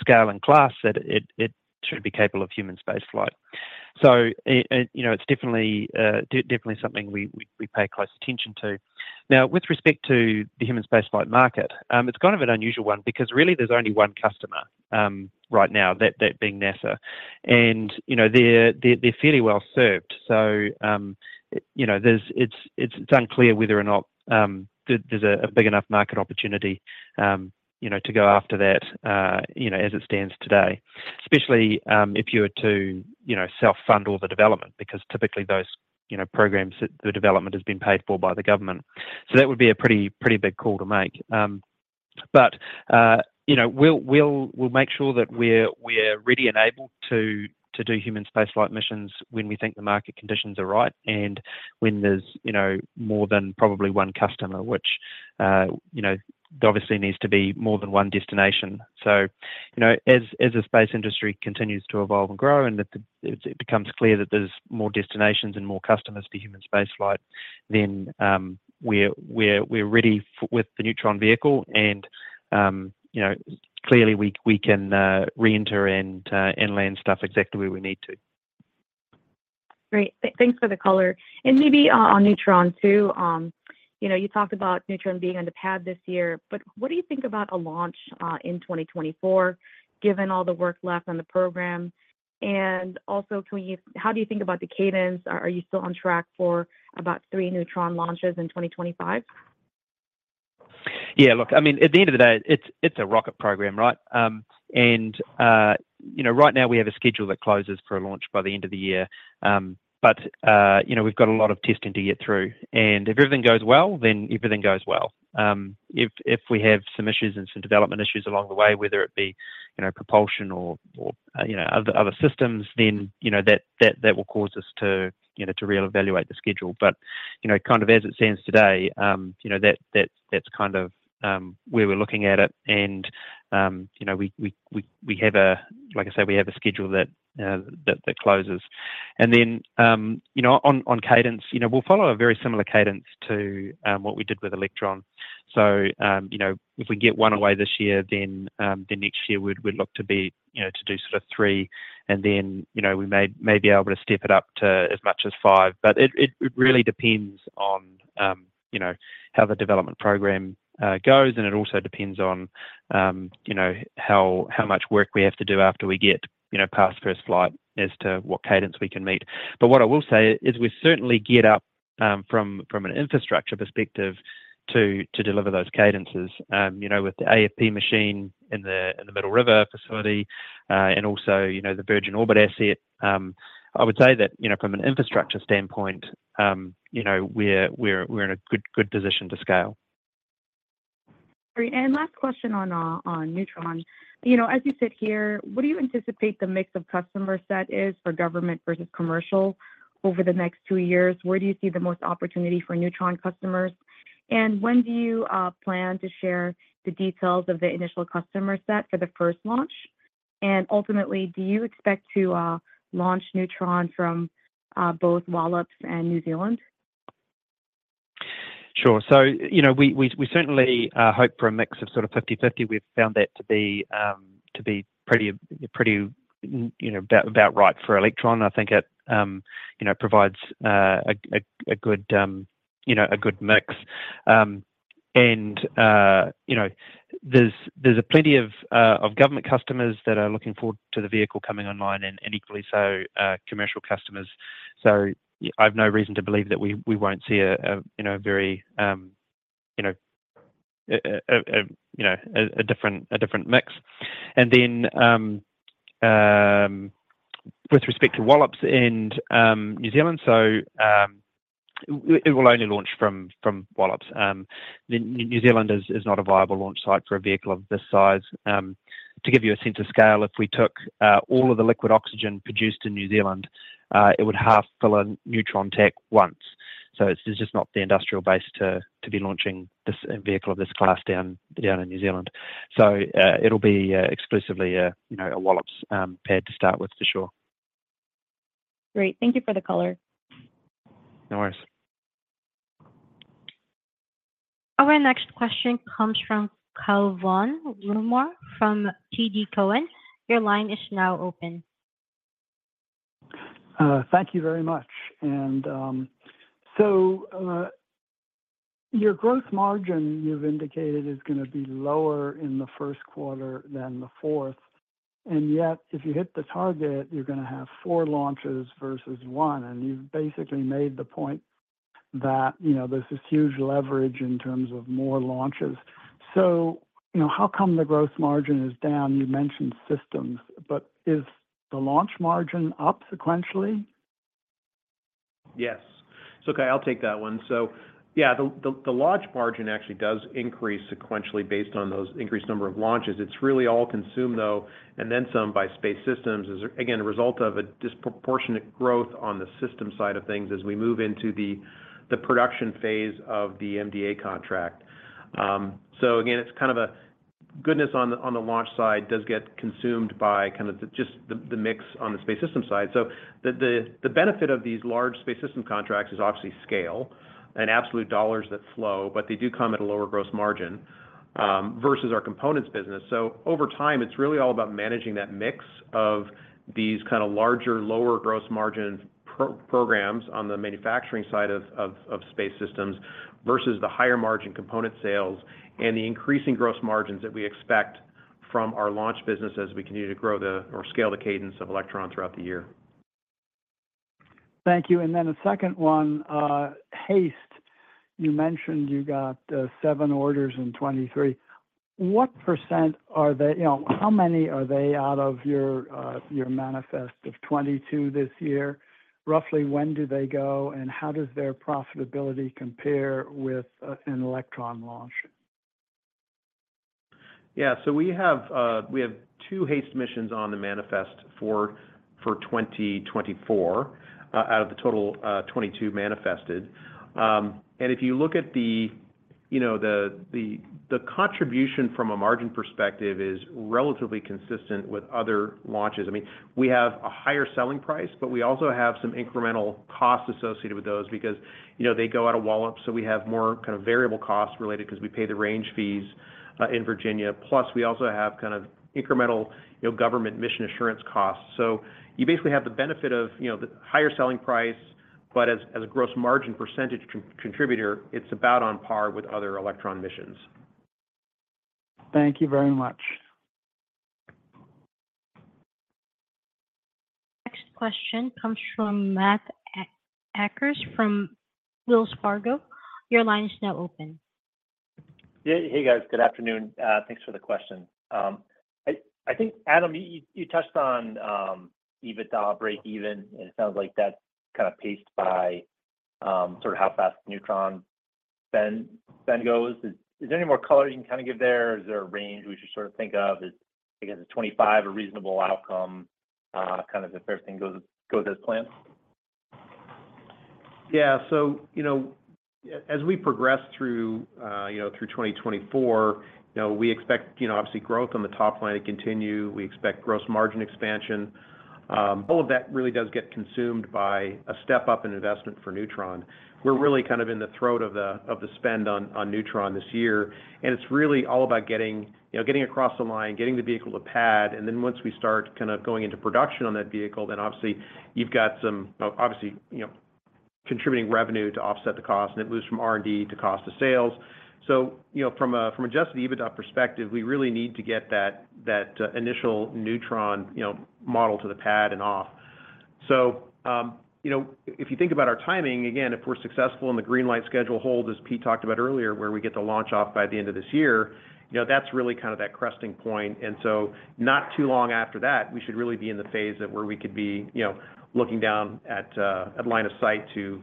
scale and class that it should be capable of human spaceflight. So it's definitely something we pay close attention to. Now, with respect to the human spaceflight market, it's kind of an unusual one because really, there's only one customer right now, that being NASA. And they're fairly well served. So it's unclear whether or not there's a big enough market opportunity to go after that as it stands today, especially if you were to self-fund all the development because typically, those programs, the development has been paid for by the government. So that would be a pretty big call to make. We'll make sure that we're ready and able to do human spaceflight missions when we think the market conditions are right and when there's more than probably one customer, which there obviously needs to be more than one destination. As the space industry continues to evolve and grow and it becomes clear that there's more destinations and more customers for human spaceflight, then we're ready with the Neutron vehicle. Clearly, we can reenter and land stuff exactly where we need to. Great. Thanks for the color. Maybe on Neutron too, you talked about Neutron being on the pad this year. But what do you think about a launch in 2024 given all the work left on the program? And also, how do you think about the cadence? Are you still on track for about three Neutron launches in 2025? Yeah. Look, I mean, at the end of the day, it's a rocket program, right? And right now, we have a schedule that closes for a launch by the end of the year. But we've got a lot of testing to get through. And if everything goes well, then everything goes well. If we have some issues and some development issues along the way, whether it be propulsion or other systems, then that will cause us to reevaluate the schedule. But kind of as it stands today, that's kind of where we're looking at it. And we have a, like I said, we have a schedule that closes. And then on cadence, we'll follow a very similar cadence to what we did with Electron. So if we get one away this year, then next year, we'd look to do sort of three. And then we may be able to step it up to as much as five. But it really depends on how the development program goes. And it also depends on how much work we have to do after we get past first flight as to what cadence we can meet. But what I will say is we certainly get up from an infrastructure perspective to deliver those cadences with the AFP machine in the Middle River facility and also the Virgin Orbit asset. I would say that from an infrastructure standpoint, we're in a good position to scale. Great. And last question on Neutron. As you sit here, what do you anticipate the mix of customer set is for government versus commercial over the next two years? Where do you see the most opportunity for Neutron customers? And when do you plan to share the details of the initial customer set for the first launch? And ultimately, do you expect to launch Neutron from both Wallops and New Zealand? Sure. So we certainly hope for a mix of sort of 50/50. We've found that to be pretty about right for Electron. I think it provides a good mix. And there's plenty of government customers that are looking forward to the vehicle coming online and equally so commercial customers. So I have no reason to believe that we won't see a very different mix. And then with respect to Wallops and New Zealand, so it will only launch from Wallops. New Zealand is not a viable launch site for a vehicle of this size. To give you a sense of scale, if we took all of the liquid oxygen produced in New Zealand, it would half fill a Neutron tank once. So there's just not the industrial base to be launching a vehicle of this class down in New Zealand. It'll be exclusively a Wallops pad to start with, for sure. Great. Thank you for the color. No worries. Our next question comes from Cai von Rumohr from TD Cowen. Your line is now open. Thank you very much. So your gross margin, you've indicated, is going to be lower in the first quarter than the fourth. Yet, if you hit the target, you're going to have four launches versus one. You've basically made the point that there's this huge leverage in terms of more launches. So how come the gross margin is down? You mentioned systems. Is the launch margin up sequentially? Yes. So okay, I'll take that one. So yeah, the launch margin actually does increase sequentially based on those increased number of launches. It's really all consumed, though, and then some by Space Systems, is, again, a result of a disproportionate growth on the system side of things as we move into the production phase of the MDA contract. So again, it's kind of a goodness on the launch side does get consumed by kind of just the mix on the Space Systems side. So the benefit of these large Space Systems contracts is obviously scale and absolute dollars that flow. But they do come at a lower gross margin versus our components business. Over time, it's really all about managing that mix of these kind of larger, lower gross margin programs on the manufacturing side of Space Systems versus the higher margin component sales and the increasing gross margins that we expect from our launch business as we continue to grow or scale the cadence of Electron throughout the year. Thank you. And then the second one, HASTE, you mentioned you got seven orders in 2023. What percent are they, how many are they out of your manifest of 2022 this year? Roughly, when do they go? And how does their profitability compare with an Electron launch? Yeah. So we have two HASTE missions on the manifest for 2024 out of the total 22 manifested. And if you look at the contribution from a margin perspective, it's relatively consistent with other launches. I mean, we have a higher selling price, but we also have some incremental costs associated with those because they go out of Wallops. So we have more kind of variable costs related because we pay the range fees in Virginia. Plus, we also have kind of incremental government mission assurance costs. So you basically have the benefit of the higher selling price. But as a gross margin percentage contributor, it's about on par with other Electron missions. Thank you very much. Next question comes from Matt Akers from Wells Fargo. Your line is now open. Hey, guys. Good afternoon. Thanks for the question. I think, Adam, you touched on EBITDA break-even. It sounds like that's kind of paced by sort of how fast Neutron spend goes. Is there any more color you can kind of give there? Is there a range we should sort of think of? I guess is 25 a reasonable outcome kind of if everything goes as planned? Yeah. So as we progress through 2024, we expect obviously growth on the top line to continue. We expect gross margin expansion. All of that really does get consumed by a step-up in investment for Neutron. We're really kind of in the throat of the spend on Neutron this year. And it's really all about getting across the line, getting the vehicle to pad. And then once we start kind of going into production on that vehicle, then obviously, you've got some obviously contributing revenue to offset the cost. And it moves from R&D to cost to sales. So from a just EBITDA perspective, we really need to get that initial Neutron model to the pad and off. So if you think about our timing, again, if we're successful and the green light schedule holds, as Pete talked about earlier, where we get the launch off by the end of this year, that's really kind of that cresting point. And so not too long after that, we should really be in the phase where we could be looking down at line of sight to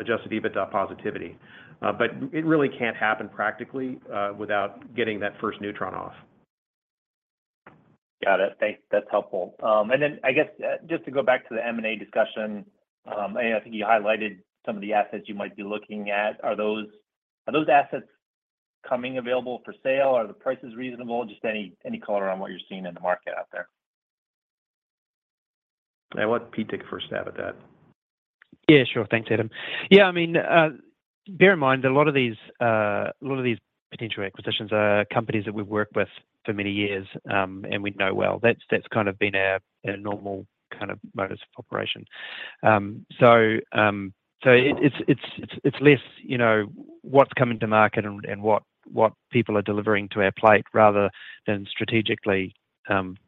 adjusted EBITDA positivity. But it really can't happen practically without getting that first Neutron off. Got it. That's helpful. And then I guess just to go back to the M&A discussion, I think you highlighted some of the assets you might be looking at. Are those assets coming available for sale? Are the prices reasonable? Just any color on what you're seeing in the market out there. I want Pete to take the first stab at that. Yeah. Sure. Thanks, Adam. Yeah. I mean, bear in mind that a lot of these potential acquisitions are companies that we've worked with for many years. And we know well. That's kind of been a normal kind of modus of operation. So it's less what's coming to market and what people are delivering to our plate rather than strategically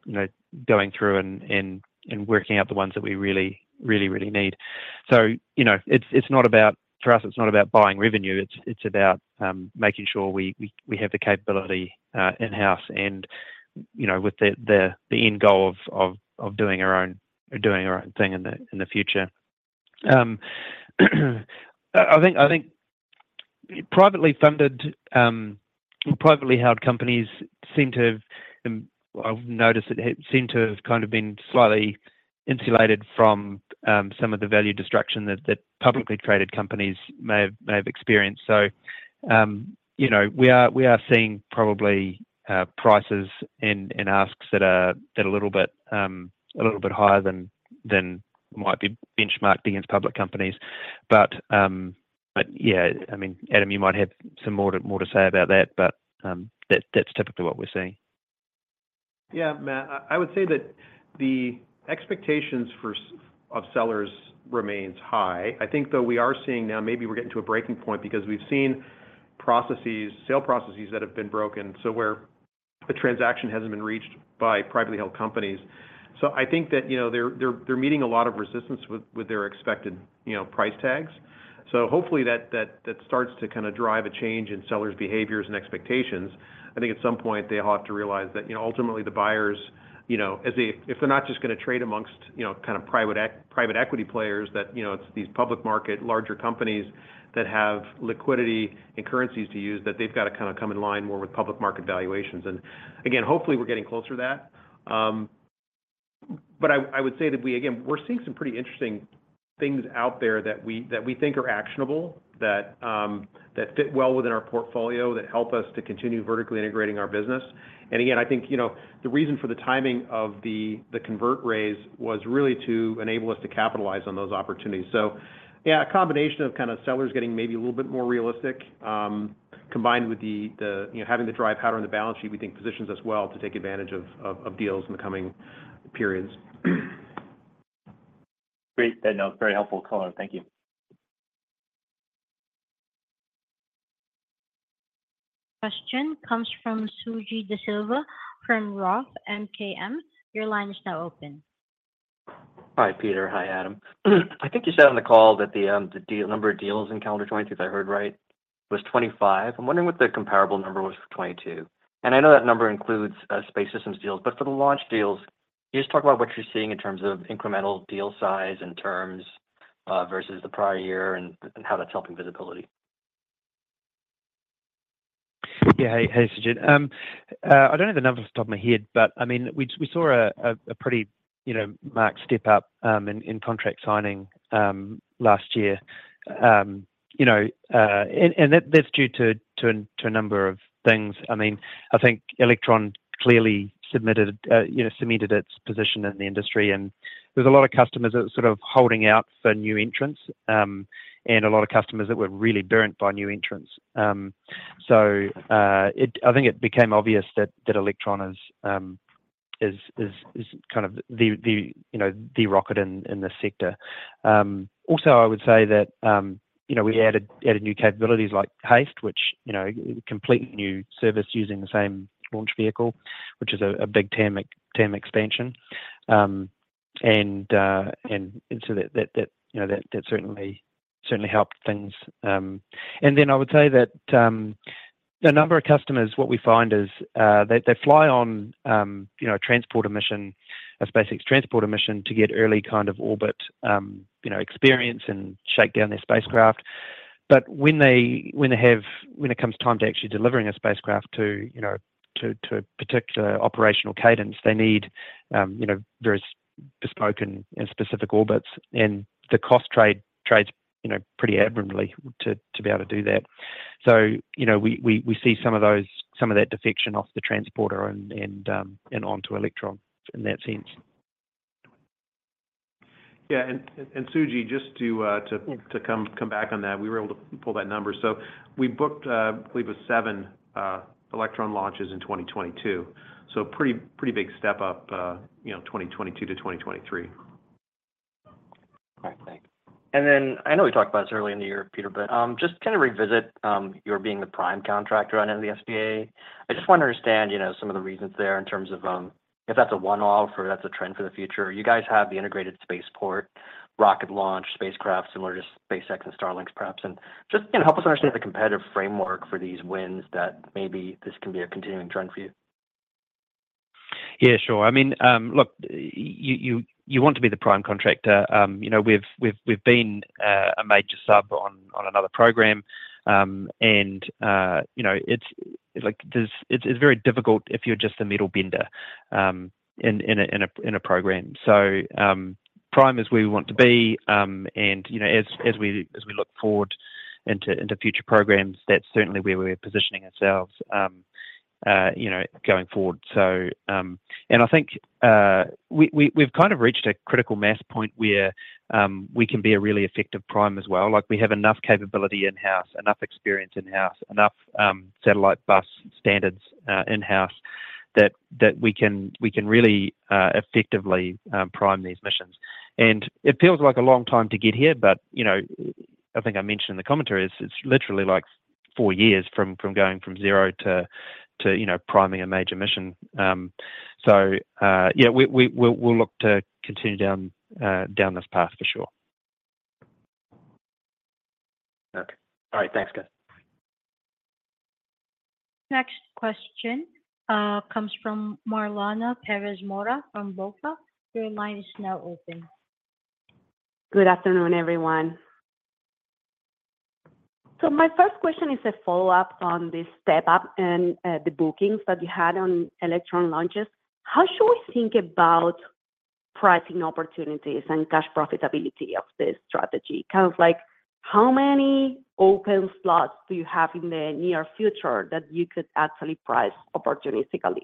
going through and working out the ones that we really, really, really need. So for us, it's not about buying revenue. It's about making sure we have the capability in-house and with the end goal of doing our own thing in the future. I think privately funded or privately held companies seem to have. I've noticed it seemed to have kind of been slightly insulated from some of the value destruction that publicly traded companies may have experienced. So we are seeing probably prices and asks that are a little bit higher than might be benchmarked against public companies. But yeah, I mean, Adam, you might have some more to say about that. But that's typically what we're seeing. Yeah, Matt. I would say that the expectations of sellers remain high. I think, though, we are seeing now maybe we're getting to a breaking point because we've seen sale processes that have been broken so where a transaction hasn't been reached by privately held companies. So I think that they're meeting a lot of resistance with their expected price tags. So hopefully, that starts to kind of drive a change in sellers' behaviors and expectations. I think at some point, they'll have to realize that ultimately, the buyers if they're not just going to trade amongst kind of private equity players, that it's these public market larger companies that have liquidity and currencies to use that they've got to kind of come in line more with public market valuations. And again, hopefully, we're getting closer to that. I would say that we, again, we're seeing some pretty interesting things out there that we think are actionable, that fit well within our portfolio, that help us to continue vertically integrating our business. Again, I think the reason for the timing of the convert raise was really to enable us to capitalize on those opportunities. Yeah, a combination of kind of sellers getting maybe a little bit more realistic combined with having the dry powder on the balance sheet, we think positions us well to take advantage of deals in the coming periods. Great. No, it's very helpful color. Thank you. Question comes from Suji Desilva from Roth MKM. Your line is now open. Hi, Peter. Hi, Adam. I think you said on the call that the number of deals in calendar year, if I heard right, was 2025. I'm wondering what the comparable number was for 2022. And I know that number includes Space Systems deals. But for the launch deals, can you just talk about what you're seeing in terms of incremental deal size and terms versus the prior year and how that's helping visibility? Yeah. Hi, Suji. I don't have the numbers off the top of my head. But I mean, we saw a pretty marked step-up in contract signing last year. And that's due to a number of things. I mean, I think Electron clearly submitted its position in the industry. And there was a lot of customers that were sort of holding out for new entrants and a lot of customers that were really burnt by new entrants. So I think it became obvious that Electron is kind of the rocket in the sector. Also, I would say that we added new capabilities like HASTE, which is a completely new service using the same launch vehicle, which is a big TAM expansion. And so that certainly helped things. And then I would say that a number of customers, what we find is they fly on a SpaceX Transporter mission to get early kind of orbit experience and shake down their spacecraft. But when it comes time to actually delivering a spacecraft to a particular operational cadence, they need very bespoke and specific orbits. And the cost trades pretty admirably to be able to do that. So we see some of that defection off the Transporter and onto Electron in that sense. Yeah. And Suji, just to come back on that, we were able to pull that number. So we booked, I believe, seven Electron launches in 2022. So pretty big step-up 2022 to 2023. All right. Thanks. And then I know we talked about this earlier in the year, Peter, but just to kind of revisit your being the prime contractor on the SDA, I just want to understand some of the reasons there in terms of if that's a one-off or if that's a trend for the future. You guys have the integrated spacecraft, rocket launch, spacecraft, similar to SpaceX and Starlink perhaps. And just help us understand the competitive framework for these wins that maybe this can be a continuing trend for you? Yeah. Sure. I mean, look, you want to be the prime contractor. We've been a major sub on another program. And it's very difficult if you're just the middle vendor in a program. So prime is where we want to be. And as we look forward into future programs, that's certainly where we're positioning ourselves going forward. And I think we've kind of reached a critical mass point where we can be a really effective prime as well. We have enough capability in-house, enough experience in-house, enough satellite bus standards in-house that we can really effectively prime these missions. And it feels like a long time to get here. But I think I mentioned in the commentary, it's literally like four years from going from zero to priming a major mission. So yeah, we'll look to continue down this path for sure. Okay. All right. Thanks, guys. Next question comes from Mariana Perez Mora from BofA. Your line is now open. Good afternoon, everyone. So my first question is a follow-up on this step-up and the bookings that you had on Electron launches. How should we think about pricing opportunities and cash profitability of this strategy? Kind of how many open slots do you have in the near future that you could actually price opportunistically?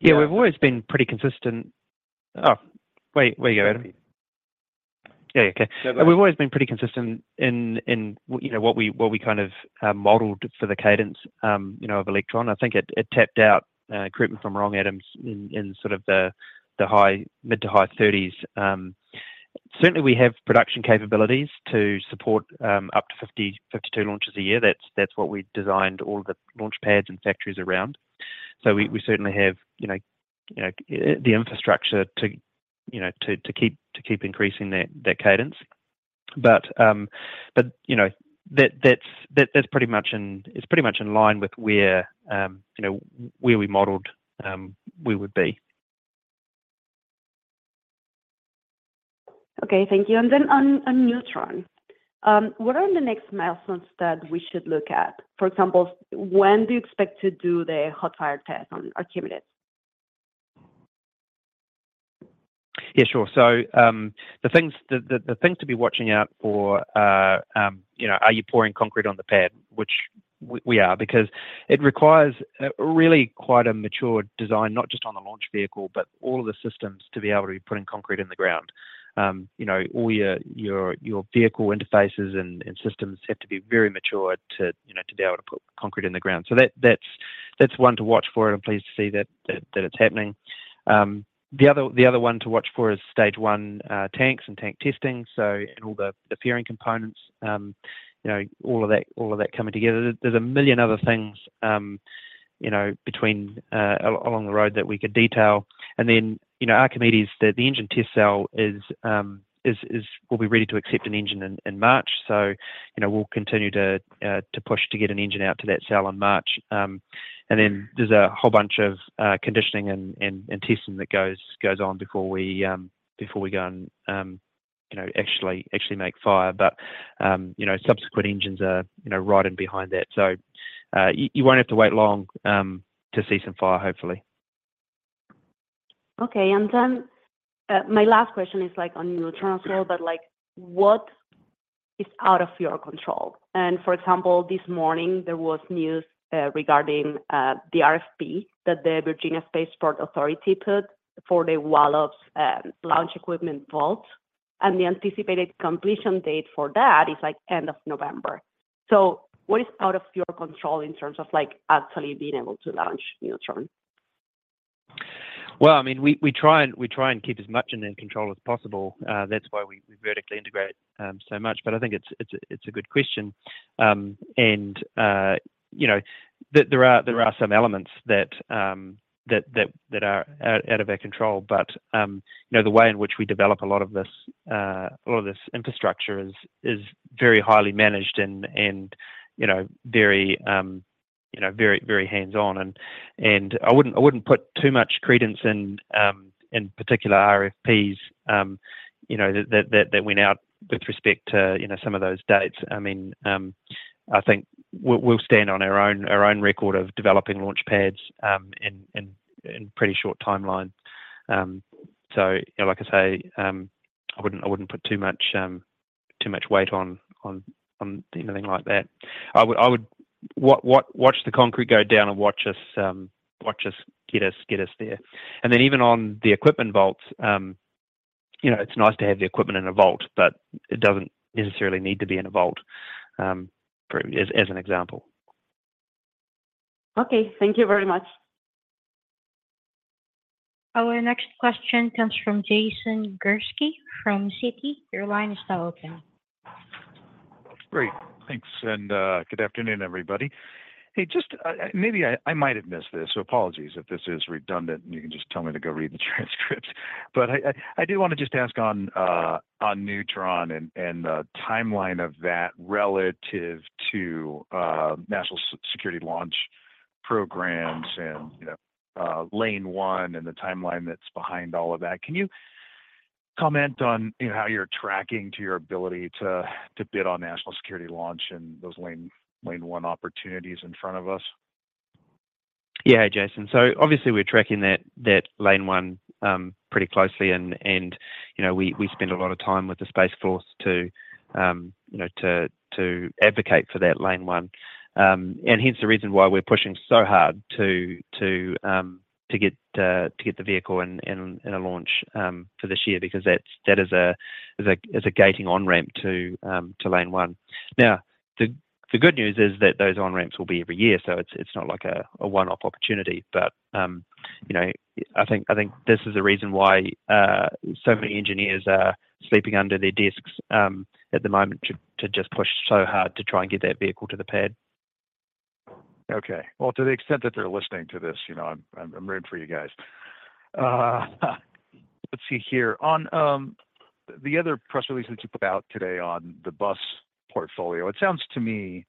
Yeah. We've always been pretty consistent. Oh, wait. Where are you going, Adam? Yeah. Okay. We've always been pretty consistent in what we kind of modeled for the cadence of Electron. I think it tapped out, correct me if I'm wrong, Adam, in sort of the mid- to high 30s. Certainly, we have production capabilities to support up to 52 launches a year. That's what we designed all of the launch pads and factories around. So we certainly have the infrastructure to keep increasing that cadence. But that's pretty much in. It's pretty much in line with where we modeled we would be. Okay. Thank you. And then on Neutron, what are the next milestones that we should look at? For example, when do you expect to do the hot fire test on Archimedes? Yeah. Sure. So the things to be watching out for are you pouring concrete on the pad, which we are because it requires really quite a matured design, not just on the launch vehicle, but all of the systems to be able to be putting concrete in the ground. All your vehicle interfaces and systems have to be very matured to be able to put concrete in the ground. So that's one to watch for. And I'm pleased to see that it's happening. The other one to watch for is stage one tanks and tank testing and all the fairing components, all of that coming together. There's a million other things along the road that we could detail. And then Archimedes, the engine test cell. We'll be ready to accept an engine in March. So we'll continue to push to get an engine out to that cell in March. And then there's a whole bunch of conditioning and testing that goes on before we go and actually make fire. But subsequent engines are riding behind that. So you won't have to wait long to see some fire, hopefully. Okay. And then my last question is on Neutron as well. But what is out of your control? And for example, this morning, there was news regarding the RFP that the Virginia Spaceport Authority put for the Wallops Launch Equipment Vault. And the anticipated completion date for that is end of November. So what is out of your control in terms of actually being able to launch Neutron? Well, I mean, we try and keep as much in control as possible. That's why we vertically integrate so much. But I think it's a good question. And there are some elements that are out of our control. But the way in which we develop a lot of this infrastructure is very highly managed and very, very hands-on. And I wouldn't put too much credence in particular RFPs that went out with respect to some of those dates. I mean, I think we'll stand on our own record of developing launch pads in a pretty short timeline. So like I say, I wouldn't put too much weight on anything like that. I would watch the concrete go down and watch us get there. And then even on the equipment vaults, it's nice to have the equipment in a vault. But it doesn't necessarily need to be in a vault as an example. Okay. Thank you very much. Our next question comes from Jason Gursky from Citi. Your line is now open. Great. Thanks. Good afternoon, everybody. Hey, maybe I might have missed this. Apologies if this is redundant. You can just tell me to go read the transcript. But I did want to just ask on Neutron and the timeline of that relative to National Security Launch Programs and Lane 1 and the timeline that's behind all of that. Can you comment on how you're tracking to your ability to bid on National Security Launch and those Lane 1 opportunities in front of us? Yeah, Jason. So obviously, we're tracking that Lane 1 pretty closely. And we spend a lot of time with the Space Force to advocate for that Lane 1. And hence the reason why we're pushing so hard to get the vehicle in a launch for this year because that is a gating on-ramp to Lane 1. Now, the good news is that those on-ramps will be every year. So it's not like a one-off opportunity. But I think this is the reason why so many engineers are sleeping under their desks at the moment to just push so hard to try and get that vehicle to the pad. Okay. Well, to the extent that they're listening to this, I'm rooting for you guys. Let's see here. On the other press release that you put out today on the bus portfolio, it sounds to me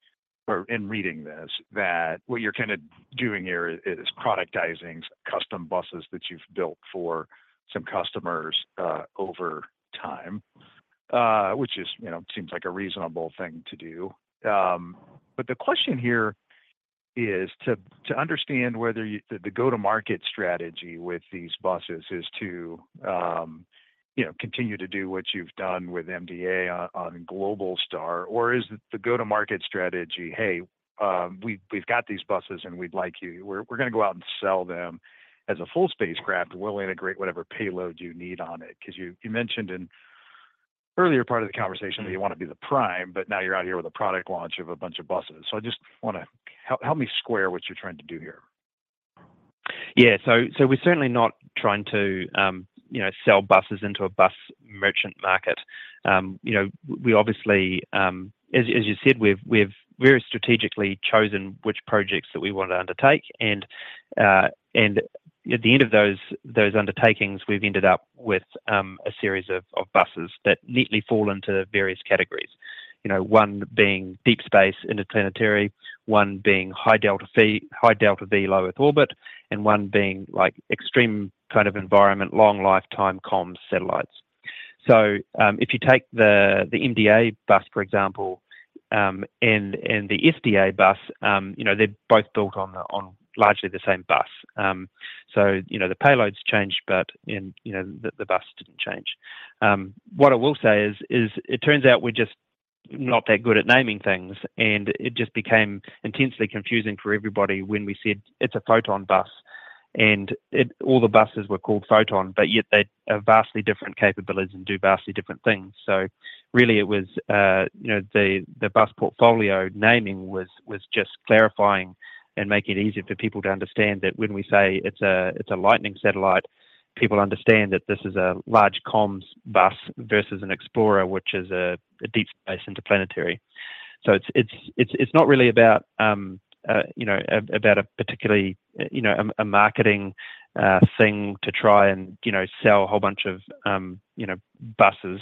or in reading this that what you're kind of doing here is productizing custom buses that you've built for some customers over time, which seems like a reasonable thing to do. But the question here is to understand whether the go-to-market strategy with these buses is to continue to do what you've done with MDA on Globalstar. Or is the go-to-market strategy, "Hey, we've got these buses. And we'd like you we're going to go out and sell them as a full spacecraft. We'll integrate whatever payload you need on it"? Because you mentioned in earlier part of the conversation that you want to be the prime. But now you're out here with a product launch of a bunch of buses. So I just want to help me square what you're trying to do here. Yeah. So we're certainly not trying to sell buses into a bus merchant market. We obviously as you said, we've very strategically chosen which projects that we want to undertake. And at the end of those undertakings, we've ended up with a series of buses that neatly fall into various categories, one being deep space interplanetary, one being high delta-V, low Earth orbit, and one being extreme kind of environment, long lifetime, comms, satellites. So if you take the MDA bus, for example, and the SDA bus, they're both built on largely the same bus. So the payloads changed. But the bus didn't change. What I will say is it turns out we're just not that good at naming things. And it just became intensely confusing for everybody when we said, "It's a Photon bus." And all the buses were called Photon. But yet, they have vastly different capabilities and do vastly different things. So really, it was the bus portfolio naming was just clarifying and making it easier for people to understand that when we say, "It's a Lightning satellite," people understand that this is a large comms bus versus an Explorer, which is a deep space interplanetary. So it's not really about a particularly a marketing thing to try and sell a whole bunch of buses.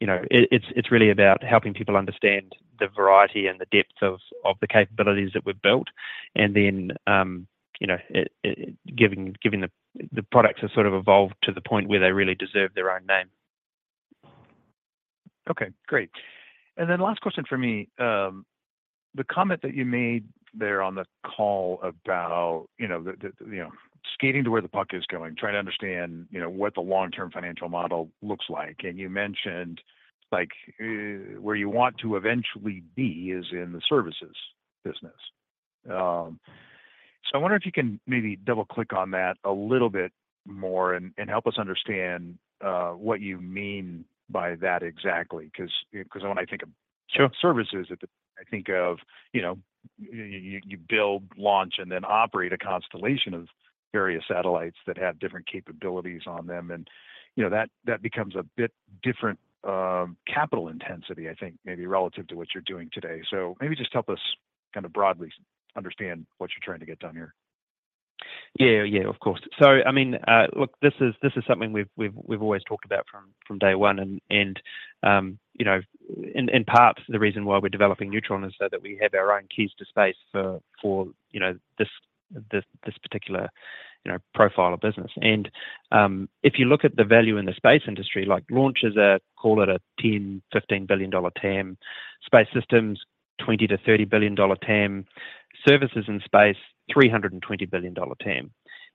It's really about helping people understand the variety and the depth of the capabilities that we've built and then giving the products to sort of evolve to the point where they really deserve their own name. Okay. Great. And then last question for me. The comment that you made there on the call about skating to where the puck is going, trying to understand what the long-term financial model looks like. And you mentioned where you want to eventually be is in the services business. So I wonder if you can maybe double-click on that a little bit more and help us understand what you mean by that exactly. Because when I think of services, I think of you build, launch, and then operate a constellation of various satellites that have different capabilities on them. And that becomes a bit different capital intensity, I think, maybe relative to what you're doing today. So maybe just help us kind of broadly understand what you're trying to get done here. Yeah. Yeah. Of course. So I mean, look, this is something we've always talked about from day one. And in part, the reason why we're developing Neutron is so that we have our own keys to space for this particular profile of business. And if you look at the value in the space industry, launches call it a $10 billion-$15 billion TAM, Space Systems $20 billion-$30 billion TAM, services in space $320 billion TAM.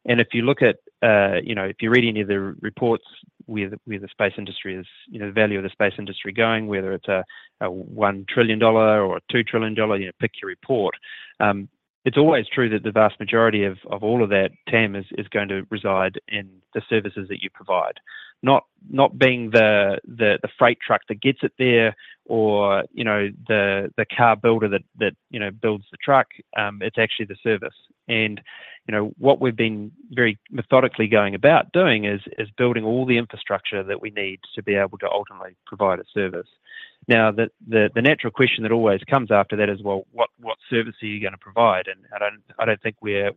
And if you look at if you read any of the reports where the space industry is the value of the space industry going, whether it's a $1 trillion or a $2 trillion, pick your report. It's always true that the vast majority of all of that TAM is going to reside in the services that you provide, not being the freight truck that gets it there or the car builder that builds the truck. It's actually the service. And what we've been very methodically going about doing is building all the infrastructure that we need to be able to ultimately provide a service. Now, the natural question that always comes after that is, "Well, what service are you going to provide?" And I don't think we're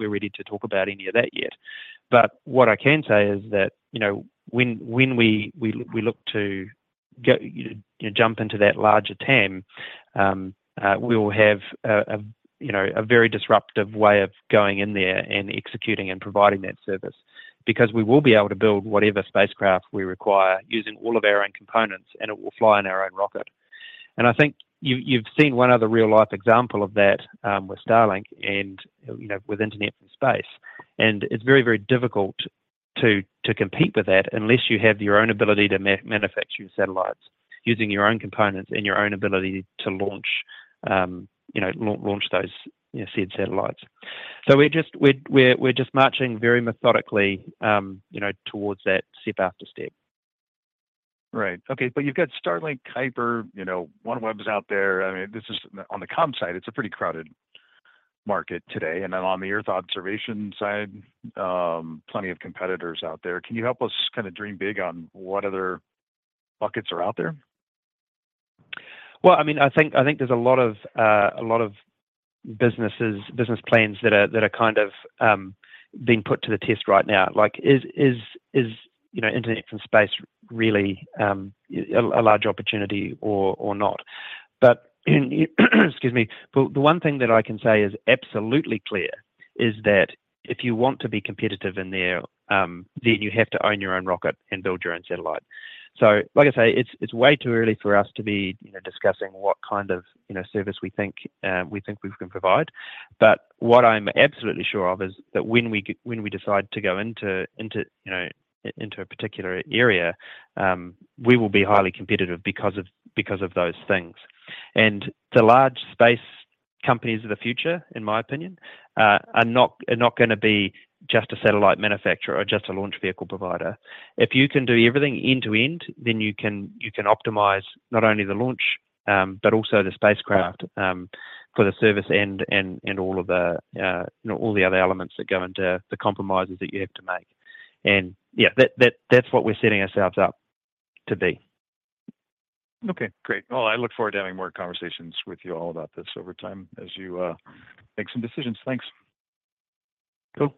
ready to talk about any of that yet. But what I can say is that when we look to jump into that larger TAM, we will have a very disruptive way of going in there and executing and providing that service because we will be able to build whatever spacecraft we require using all of our own components. It will fly in our own rocket. I think you've seen one other real-life example of that with Starlink and with internet from space. It's very, very difficult to compete with that unless you have your own ability to manufacture your satellites using your own components and your own ability to launch those said satellites. So we're just marching very methodically towards that step after step. Right. Okay. But you've got Starlink, Kuiper, OneWeb is out there. I mean, on the comm side, it's a pretty crowded market today. And then on the Earth observation side, plenty of competitors out there. Can you help us kind of dream big on what other buckets are out there? Well, I mean, I think there's a lot of business plans that are kind of being put to the test right now. Is Internet from Space really a large opportunity or not? But excuse me. Well, the one thing that I can say is absolutely clear is that if you want to be competitive in there, then you have to own your own rocket and build your own satellite. So like I say, it's way too early for us to be discussing what kind of service we think we can provide. But what I'm absolutely sure of is that when we decide to go into a particular area, we will be highly competitive because of those things. And the large space companies of the future, in my opinion, are not going to be just a satellite manufacturer or just a launch vehicle provider. If you can do everything end to end, then you can optimize not only the launch but also the spacecraft for the service end and all the other elements that go into the compromises that you have to make. And yeah, that's what we're setting ourselves up to be. Okay. Great. Well, I look forward to having more conversations with you all about this over time as you make some decisions. Thanks. Cool.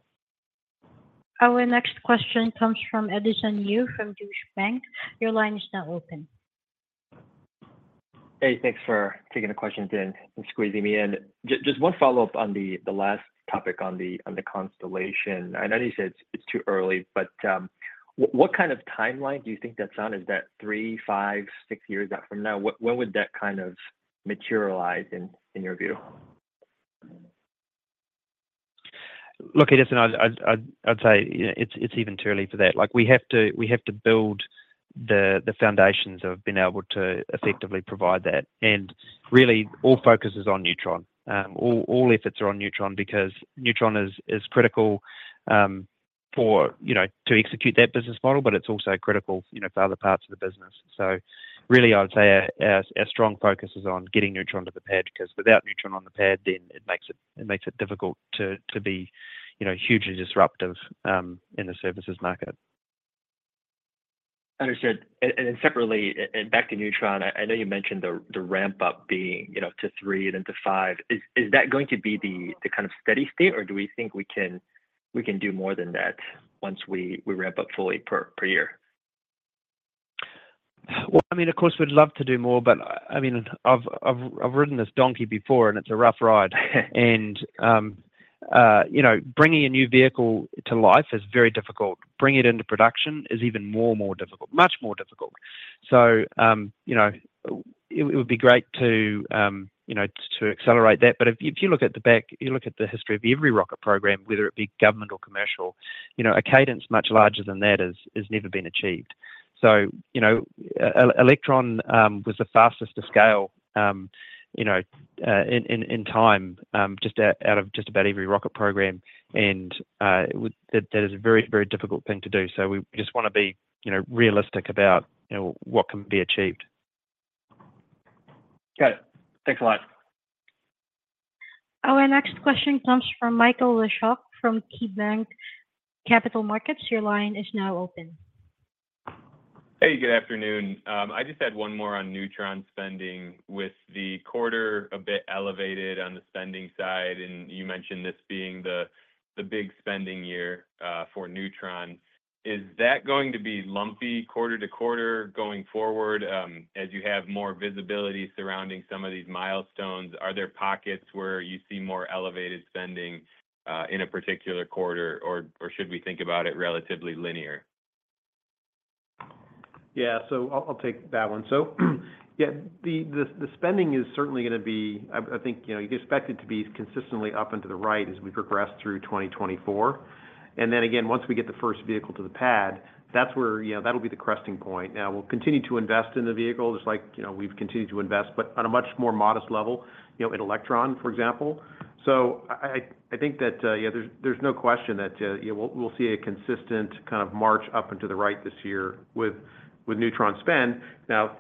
Our next question comes from Edison Yu from Deutsche Bank. Your line is now open. Hey. Thanks for taking the question and squeezing me in. Just one follow-up on the last topic on the constellation. I know you said it's too early. What kind of timeline do you think that's on? Is that three, five, six years out from now? When would that kind of materialize in your view? Look, Edison, I'd say it's even too early for that. We have to build the foundations of being able to effectively provide that. Really, all focus is on Neutron. All efforts are on Neutron because Neutron is critical to execute that business model. It's also critical for other parts of the business. Really, I'd say our strong focus is on getting Neutron to the pad because without Neutron on the pad, then it makes it difficult to be hugely disruptive in the services market. Understood. And then separately, back to Neutron, I know you mentioned the ramp-up being to three and then to five. Is that going to be the kind of steady state? Or do we think we can do more than that once we ramp up fully per year? Well, I mean, of course, we'd love to do more. But I mean, I've ridden this donkey before. And it's a rough ride. And bringing a new vehicle to life is very difficult. Bringing it into production is even more and more difficult, much more difficult. So it would be great to accelerate that. But if you look at the backlog you look at the history of every rocket program, whether it be government or commercial, a cadence much larger than that has never been achieved. So Electron was the fastest to scale in time just out of just about every rocket program. And that is a very, very difficult thing to do. So we just want to be realistic about what can be achieved. Got it. Thanks a lot. Our next question comes from Michael Leshock from KeyBanc Capital Markets. Your line is now open. Hey. Good afternoon. I just had one more on Neutron spending. With the quarter a bit elevated on the spending side and you mentioned this being the big spending year for Neutron, is that going to be lumpy quarter to quarter going forward as you have more visibility surrounding some of these milestones? Are there pockets where you see more elevated spending in a particular quarter? Or should we think about it relatively linear? Yeah. So I'll take that one. So yeah, the spending is certainly going to be I think you can expect it to be consistently up and to the right as we progress through 2024. And then again, once we get the first vehicle to the pad, that'll be the cresting point. Now, we'll continue to invest in the vehicles like we've continued to invest but on a much more modest level in Electron, for example. So I think that yeah, there's no question that we'll see a consistent kind of march up and to the right this year with Neutron spend. Now,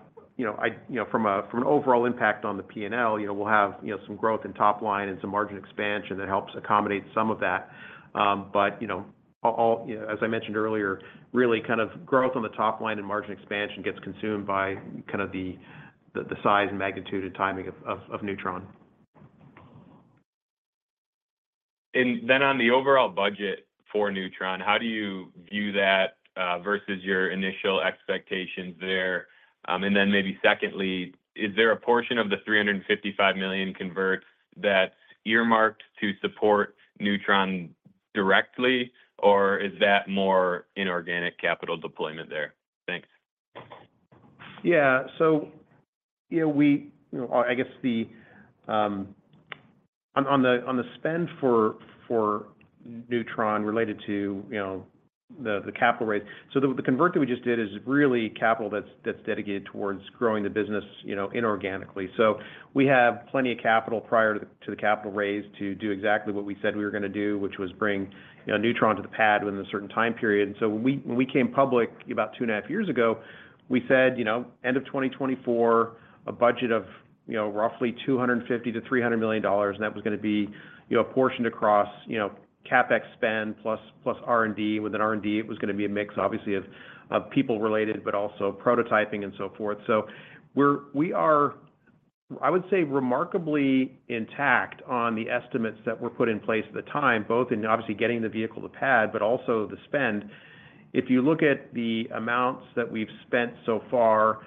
from an overall impact on the P&L, we'll have some growth in top line and some margin expansion that helps accommodate some of that. As I mentioned earlier, really, kind of growth on the top line and margin expansion gets consumed by kind of the size and magnitude and timing of Neutron. And then on the overall budget for Neutron, how do you view that versus your initial expectations there? And then maybe secondly, is there a portion of the $355 million converts that's earmarked to support Neutron directly? Or is that more inorganic capital deployment there? Thanks. Yeah. So I guess on the spend for Neutron related to the capital raise so the convert that we just did is really capital that's dedicated towards growing the business inorganically. So we have plenty of capital prior to the capital raise to do exactly what we said we were going to do, which was bring Neutron to the pad within a certain time period. And so when we came public about two and a half years ago, we said, "End of 2024, a budget of roughly $250 million-$300 million." And that was going to be a portion across CapEx spend plus R&D. Within R&D, it was going to be a mix, obviously, of people related but also prototyping and so forth. So we are, I would say, remarkably intact on the estimates that were put in place at the time, both in, obviously, getting the vehicle to pad but also the spend. If you look at the amounts that we've spent so far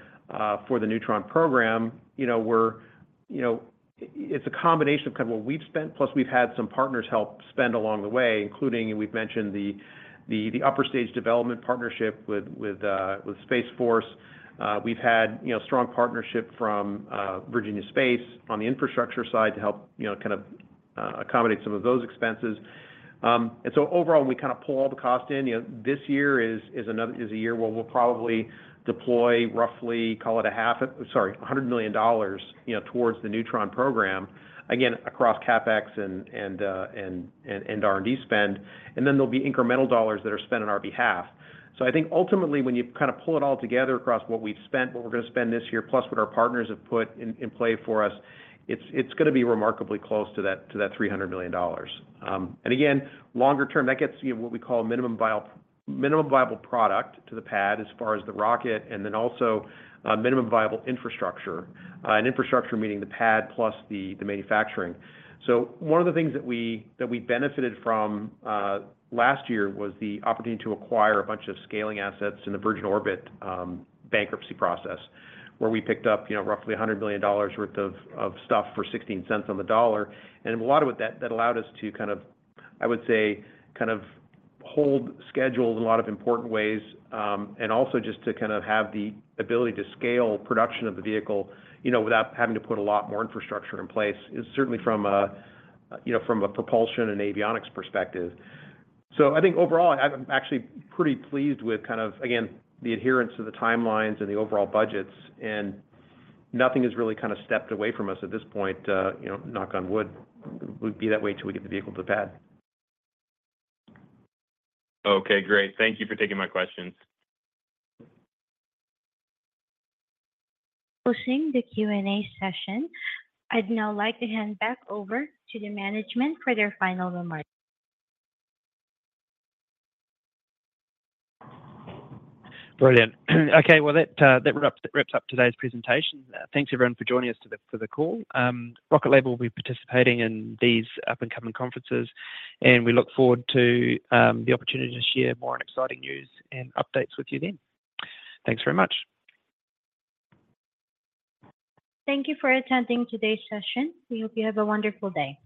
for the Neutron program, it's a combination of kind of what we've spent plus we've had some partners help spend along the way, including, and we've mentioned, the upper-stage development partnership with Space Force. We've had a strong partnership from Virginia Space on the infrastructure side to help kind of accommodate some of those expenses. And so overall, when we kind of pull all the cost in, this year is a year where we'll probably deploy roughly, call it a half, sorry, $100 million towards the Neutron program, again, across CapEx and R&D spend. And then there'll be incremental dollars that are spent on our behalf. So I think ultimately, when you kind of pull it all together across what we've spent, what we're going to spend this year plus what our partners have put in play for us, it's going to be remarkably close to that $300 million. And again, longer term, that gets what we call minimum viable product to the pad as far as the rocket and then also minimum viable infrastructure, and infrastructure meaning the pad plus the manufacturing. So one of the things that we benefited from last year was the opportunity to acquire a bunch of scaling assets in the Virgin Orbit bankruptcy process where we picked up roughly $100 million worth of stuff for $0.16 on the dollar. And a lot of it that allowed us to kind of, I would say, kind of hold schedules in a lot of important ways and also just to kind of have the ability to scale production of the vehicle without having to put a lot more infrastructure in place, certainly from a propulsion and avionics perspective. So I think overall, I'm actually pretty pleased with kind of, again, the adherence to the timelines and the overall budgets. And nothing has really kind of stepped away from us at this point. Knock on wood. We'll be that way till we get the vehicle to the pad. Okay. Great. Thank you for taking my questions. Closing the Q&A session, I'd now like to hand back over to the management for their final remarks. Brilliant. Okay. Well, that wraps up today's presentation. Thanks, everyone, for joining us for the call. Rocket Lab will be participating in these up-and-coming conferences. We look forward to the opportunity to share more exciting news and updates with you then. Thanks very much. Thank you for attending today's session. We hope you have a wonderful day.